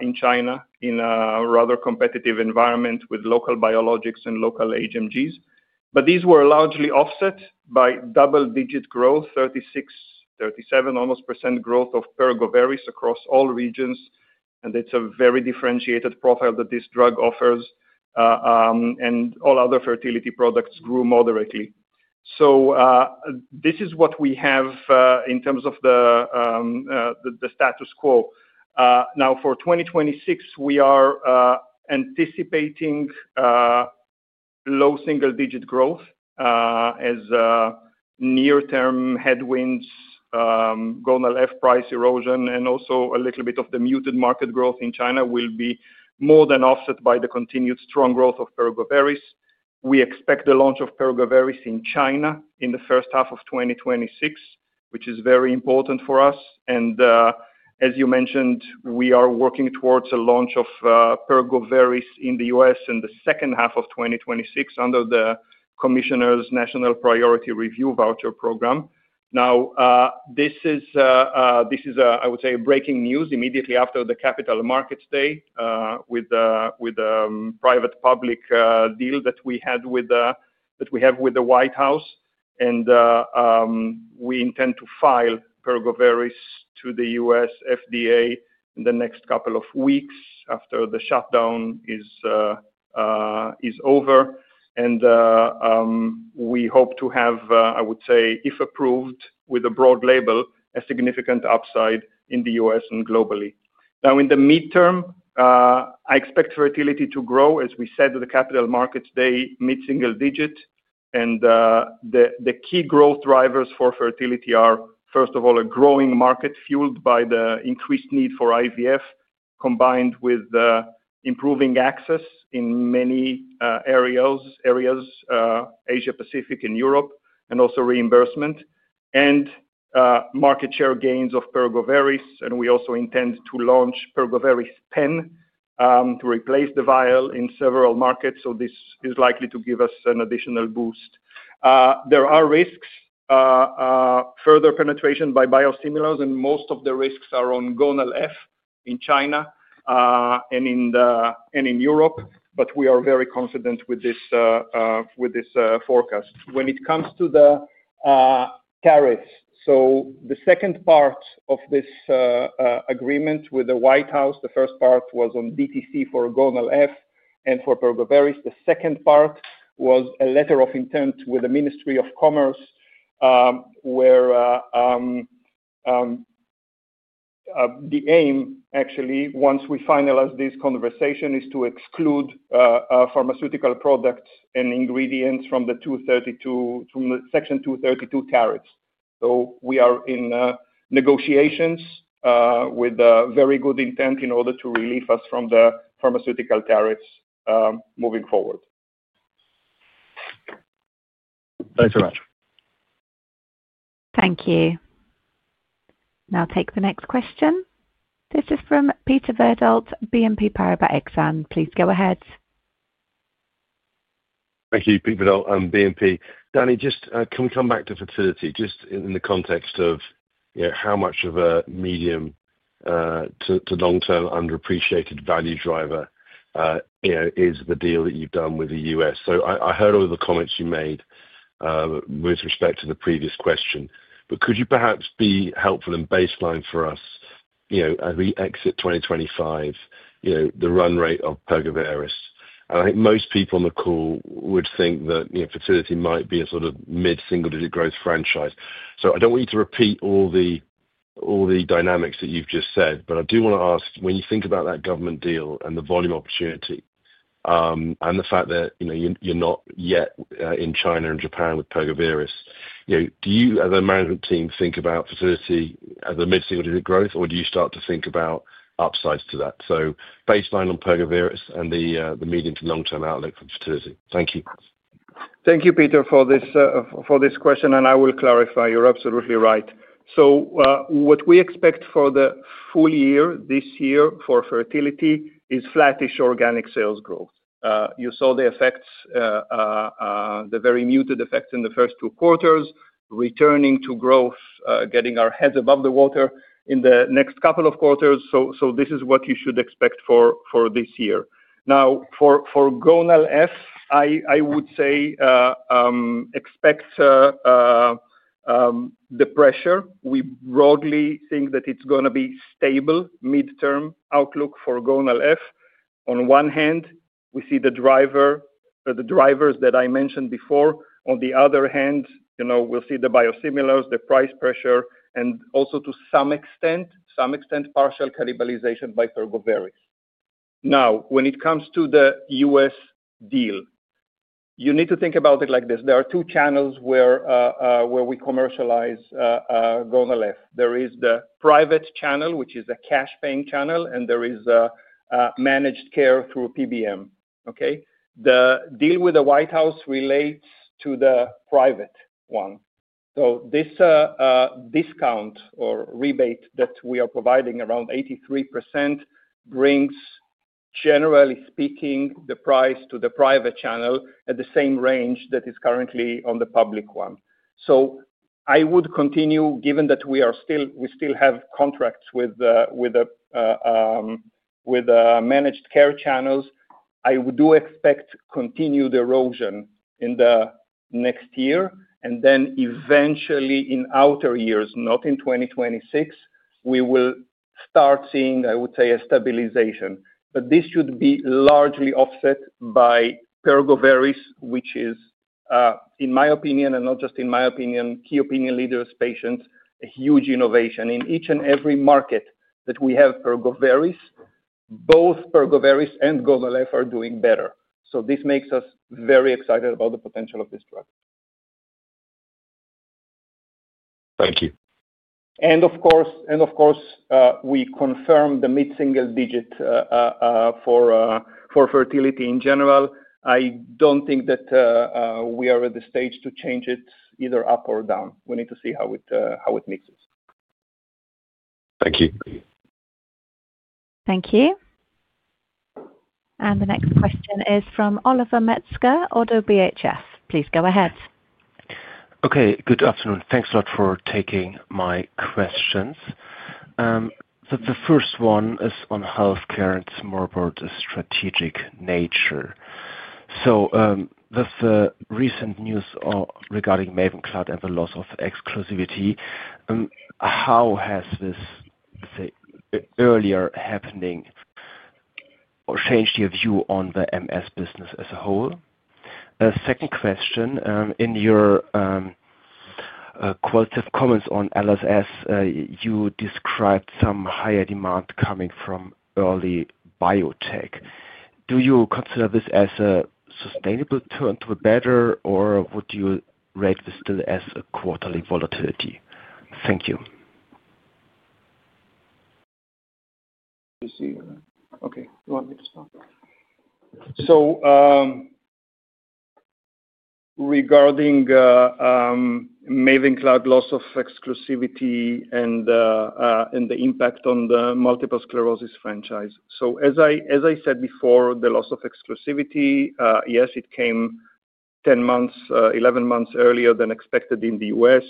in China in a rather competitive environment with local biologics and local HMGs. These were largely offset by double-digit growth, 36%, 37%, almost, growth of Pergoveris across all regions. It is a very differentiated profile that this drug offers. All other fertility products grew moderately. This is what we have in terms of the status quo. Now, for 2026, we are anticipating low single-digit growth as near-term headwinds, Gonal-F price erosion, and also a little bit of the muted market growth in China will be more than offset by the continued strong growth of Pergoveris. We expect the launch of Pergoveris in China in the first half of 2026, which is very important for us. As you mentioned, we are working towards a launch of Pergoveris in the US in the second half of 2026 under the Commissioner's National Priority Review Voucher Program. This is, I would say, breaking news immediately after the Capital Markets Day with a private-public deal that we have with the White House. We intend to file Pergoveris to the US FDA in the next couple of weeks after the shutdown is over. We hope to have, I would say, if approved with a broad label, a significant upside in the US and globally. In the midterm, I expect fertility to grow, as we said at the Capital Markets Day, mid-single digit. The key growth drivers for fertility are, first of all, a growing market fueled by the increased need for IVF, combined with improving access in many areas, Asia-Pacific and Europe, and also reimbursement and market share gains of Pergoveris. We also intend to launch Pergoveris Pen to replace the vial in several markets. This is likely to give us an additional boost. There are risks, further penetration by biosimilars, and most of the risks are on Gonal-F in China and in Europe. We are very confident with this forecast. When it comes to the tariffs, the second part of this agreement with the White House, the first part was on DTC for Gonal-F and for Pergoveris. The second part was a letter of intent with the Ministry of Commerce, where the aim, actually, once we finalize this conversation, is to exclude pharmaceutical products and ingredients from the Section 232 tariffs. We are in negotiations with very good intent in order to relieve us from the pharmaceutical tariffs moving forward. Thanks very much. Thank you. Now, take the next question. This is from Peter Verdult, BNP Paribas Exane. Please go ahead. Thank you, Peter Verdult, BNP. Danny, just can we come back to fertility just in the context of how much of a medium to long-term underappreciated value driver is the deal that you've done with the US? I heard all of the comments you made with respect to the previous question. Could you perhaps be helpful and baseline for us as we exit 2025, the run rate of Pergoveris? I think most people on the call would think that fertility might be a sort of mid-single-digit growth franchise. I do not want you to repeat all the dynamics that you have just said. I do want to ask, when you think about that government deal and the volume opportunity and the fact that you are not yet in China and Japan with Pergoveris, do you, as a management team, think about fertility as a mid-single-digit growth, or do you start to think about upsides to that? Baseline on Pergoveris and the medium to long-term outlook for fertility. Thank you. Thank you, Peter, for this question. I will clarify. You are absolutely right. What we expect for the full year this year for fertility is flattish organic sales growth. You saw the effects, the very muted effects in the first two quarters, returning to growth, getting our heads above the water in the next couple of quarters. This is what you should expect for this year. Now, for Gonal-F, I would say expect the pressure. We broadly think that it's going to be stable midterm outlook for Gonal-F. On one hand, we see the drivers that I mentioned before. On the other hand, we'll see the biosimilars, the price pressure, and also to some extent, partial cannibalization by Pergoveris. Now, when it comes to the US deal, you need to think about it like this. There are two channels where we commercialize Gonal-F. There is the private channel, which is a cash-paying channel, and there is managed care through PBM. Okay? The deal with the White House relates to the private one. This discount or rebate that we are providing, around 83%, brings, generally speaking, the price to the private channel at the same range that is currently on the public one. I would continue, given that we still have contracts with managed care channels, I do expect continued erosion in the next year. Eventually, in outer years, not in 2026, we will start seeing, I would say, a stabilization. This should be largely offset by Pergoveris, which is, in my opinion, and not just in my opinion, key opinion leaders, patients, a huge innovation. In each and every market that we have Pergoveris, both Pergoveris and Gonal-F are doing better. This makes us very excited about the potential of this drug. Thank you. Of course, we confirm the mid-single digit for fertility in general. I do not think that we are at the stage to change it either up or down. We need to see how it mixes. Thank you. Thank you. The next question is from Olivier Metzger, ODDO BHF. Please go ahead. Okay. Good afternoon. Thanks a lot for taking my questions. The first one is on healthcare and it is more about the strategic nature. With the recent news regarding Mavenclad and the loss of exclusivity, how has this earlier happening changed your view on the MS business as a whole? Second question, in your qualitative comments on LSS, you described some higher demand coming from early biotech. Do you consider this as a sustainable turn to a better, or would you rate this still as a quarterly volatility? Thank you. Okay. You want me to start? Regarding Mavenclad, loss of exclusivity and the impact on the multiple sclerosis franchise. As I said before, the loss of exclusivity, yes, it came 10 months, 11 months earlier than expected in the US.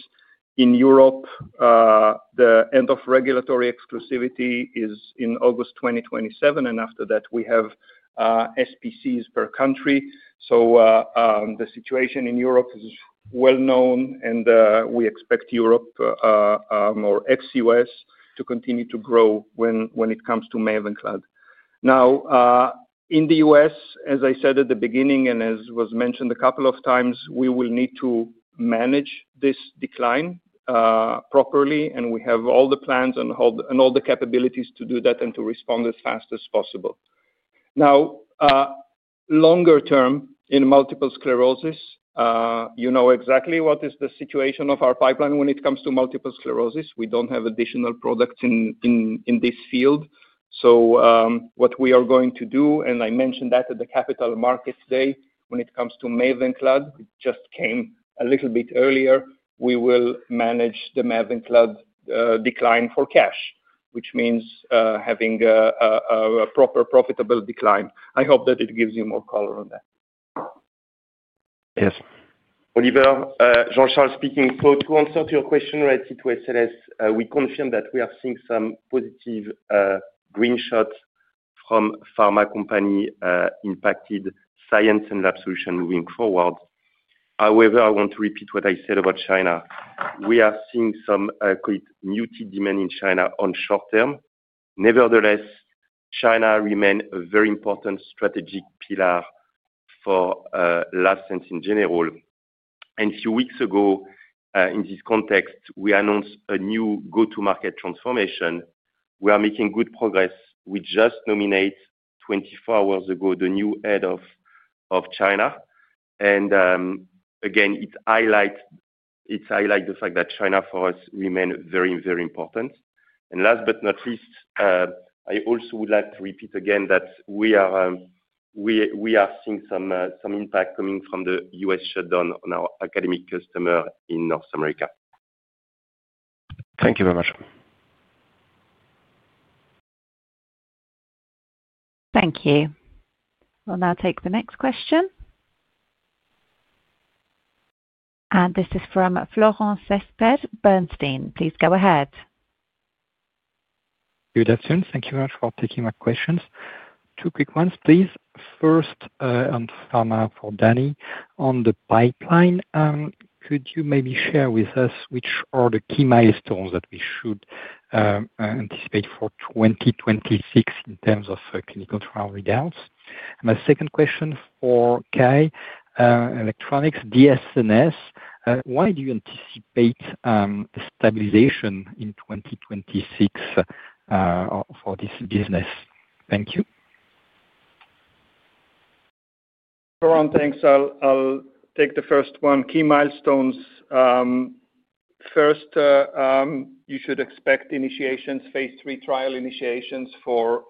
In Europe, the end of regulatory exclusivity is in August 2027. After that, we have SPCs per country. The situation in Europe is well known, and we expect Europe or ex-US to continue to grow when it comes to Mavenclad. In the US, as I said at the beginning and as was mentioned a couple of times, we will need to manage this decline properly. We have all the plans and all the capabilities to do that and to respond as fast as possible. Now, longer term, in multiple sclerosis, you know exactly what is the situation of our pipeline when it comes to multiple sclerosis. We do not have additional products in this field. What we are going to do, and I mentioned that at the Capital Markets Day when it comes to Mavenclad, it just came a little bit earlier, we will manage the Mavenclad decline for cash, which means having a proper profitable decline. I hope that it gives you more color on that. Yes. Oliver, Jean-Charles speaking. To answer your question related to SLS, we confirm that we are seeing some positive green shots from pharma companies impacting science and lab solutions moving forward. However, I want to repeat what I said about China. We are seeing some muted demand in China on short term. Nevertheless, China remains a very important strategic pillar for Life Science in general. A few weeks ago, in this context, we announced a new go-to-market transformation. We are making good progress. We just nominated 24 hours ago the new head of China. It highlights the fact that China, for us, remains very, very important. Last but not least, I also would like to repeat again that we are seeing some impact coming from the U.S. shutdown on our academic customer in North America. Thank you very much. Thank you. We'll now take the next question. This is from Florent Cespedes, Bernstein. Please go ahead. Good afternoon. Thank you very much for taking my questions. Two quick ones, please. First, on pharma for Danny, on the pipeline, could you maybe share with us which are the key milestones that we should anticipate for 2026 in terms of clinical trial results? My second question for Kai, Electronics, DS&S, why do you anticipate stabilization in 2026 for this business? Thank you. Florent, thanks. I'll take the first one. Key milestones. First, you should expect initiations, phase three trial initiations for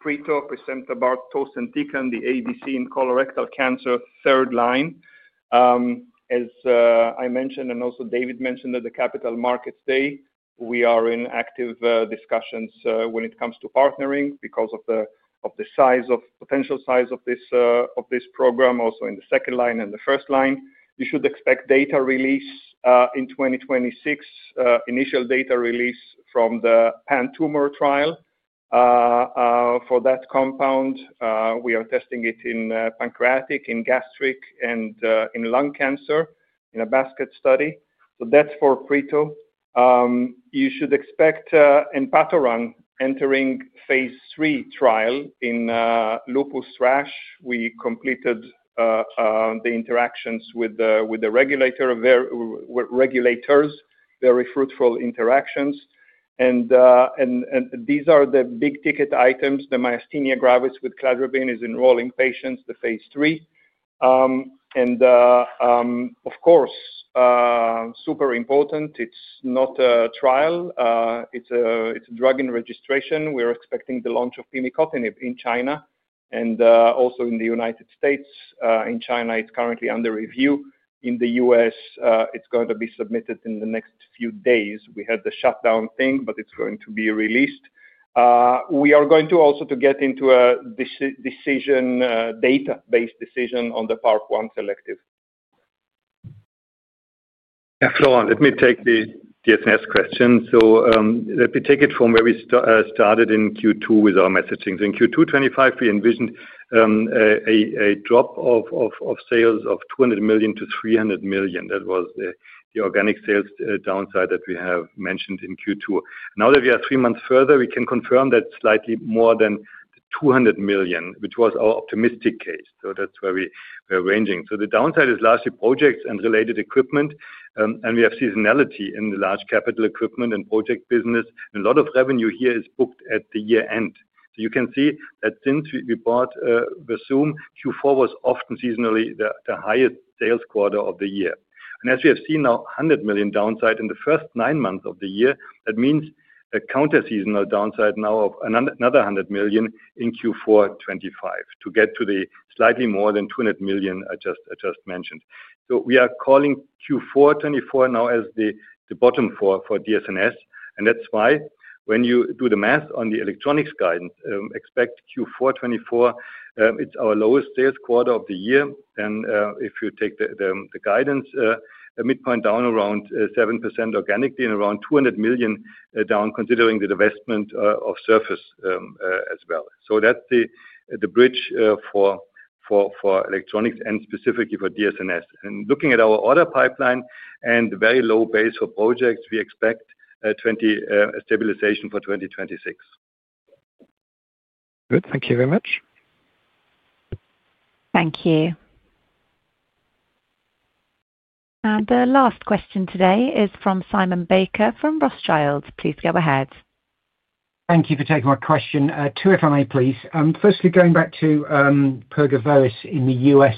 Pretor, Presempta, Bartos, and Tikan, the ABC in colorectal cancer, third line. As I mentioned, and also David mentioned at the Capital Markets Day, we are in active discussions when it comes to partnering because of the potential size of this program, also in the second line and the first line. You should expect data release in 2026, initial data release from the pan-tumor trial for that compound. We are testing it in pancreatic, in gastric, and in lung cancer in a basket study. That is for Pretor. You should expect Empatoran entering phase three trial in lupus rash. We completed the interactions with the regulators, very fruitful interactions. These are the big ticket items. The myasthenia gravis with cladribine is enrolling patients, the phase three. Of course, super important, it is not a trial. It is a drug in registration. We are expecting the launch of pimecotinib in China and also in the United States. In China, it is currently under review. In the US, it is going to be submitted in the next few days. We had the shutdown thing, but it is going to be released. We are going to also get into a data-based decision on the PARP1 selective. Yeah, Florent, let me take the DS&S question. Let me take it from where we started in Q2 with our messaging. In Q2 2025, we envisioned a drop of sales of 200 million-300 million. That was the organic sales downside that we have mentioned in Q2. Now that we are three months further, we can confirm that it is slightly more than 200 million, which was our optimistic case. That is where we are ranging. The downside is largely projects and related equipment. We have seasonality in the large capital equipment and project business. A lot of revenue here is booked at the year-end. You can see that since we bought Versum, Q4 was often seasonally the highest sales quarter of the year. As we have seen now, there is a 100 million downside in the first nine months of the year. That means a counter-seasonal downside now of another 100 million in Q4 2025 to get to the slightly more than 200 million I just mentioned. We are calling Q4 2024 now as the bottom for DS&S. That is why when you do the math on the electronics guidance, expect Q4 2024, it is our lowest sales quarter of the year. If you take the guidance, a midpoint down around 7% organically and around 200 million down considering the divestment of surface as well. That is the bridge for electronics and specifically for DS&S. Looking at our order pipeline and very low base for projects, we expect stabilization for 2026. Good. Thank you very much. Thank you. The last question today is from Simon Baker from Rothschild. Please go ahead. Thank you for taking my question. Two, if I may, please. Firstly, going back to Pergoveris in the US,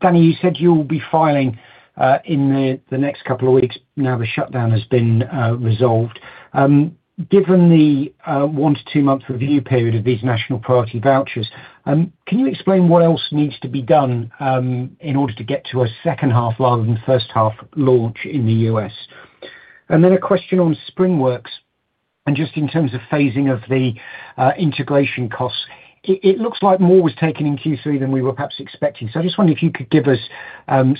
Danny, you said you'll be filing in the next couple of weeks. Now the shutdown has been resolved. Given the one to two-month review period of these national priority vouchers, can you explain what else needs to be done in order to get to a second half rather than first half launch in the US? A question on Springworks. Just in terms of phasing of the integration costs, it looks like more was taken in Q3 than we were perhaps expecting. I just wondered if you could give us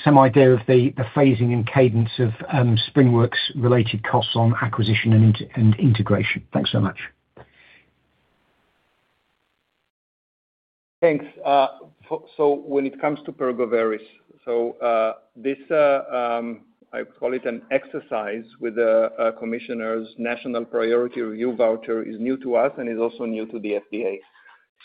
some idea of the phasing and cadence of Springworks-related costs on acquisition and integration. Thanks so much. Thanks. When it comes to Pergoveris, I call it an exercise with the commissioners' national priority review voucher. It is new to us and is also new to the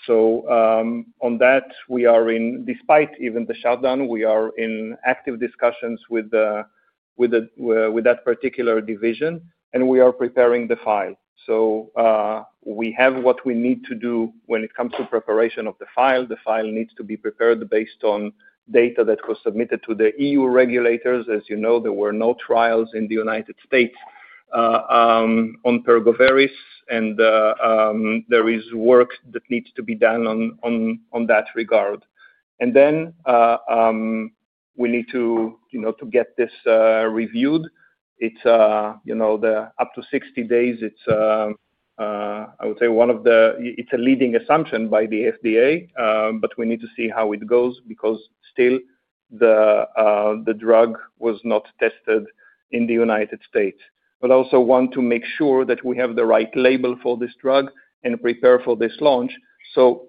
FDA. On that, we are in, despite even the shutdown, we are in active discussions with that particular division, and we are preparing the file. We have what we need to do when it comes to preparation of the file. The file needs to be prepared based on data that was submitted to the EU regulators. As you know, there were no trials in the US on Pergoveris, and there is work that needs to be done on that regard. Then we need to get this reviewed. It is up to 60 days. It is, I would say, one of the—it is a leading assumption by the FDA, but we need to see how it goes because still the drug was not tested in the US. I also want to make sure that we have the right label for this drug and prepare for this launch.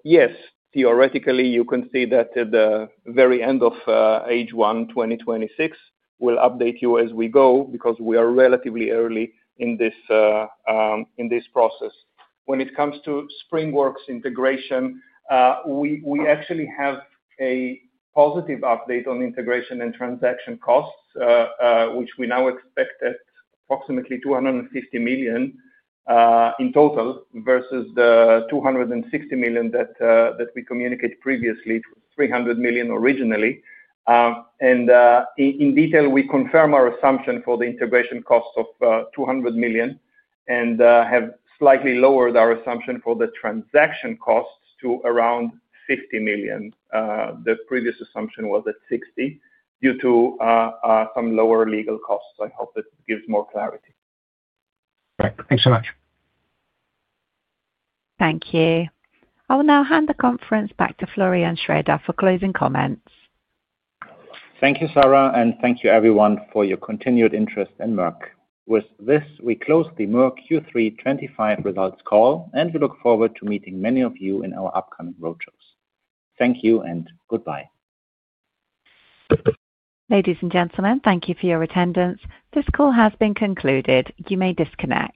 Yes, theoretically, you can see that at the very end of H1 2026. We'll update you as we go because we are relatively early in this process. When it comes to Springworks integration, we actually have a positive update on integration and transaction costs, which we now expect at approximately 250 million in total versus the 260 million that we communicated previously. It was 300 million originally. In detail, we confirm our assumption for the integration cost of 200 million and have slightly lowered our assumption for the transaction costs to around 50 million. The previous assumption was at 60 million due to some lower legal costs. I hope it gives more clarity. Thanks so much. Thank you. I will now hand the conference back to Florian Schroeder for closing comments. Thank you, Sarah, and thank you, everyone, for your continued interest in Merck. With this, we close the Merck Q3 2025 results call, and we look forward to meeting many of you in our upcoming roadshows. Thank you and goodbye. Ladies and gentlemen, thank you for your attendance. This call has been concluded. You may disconnect.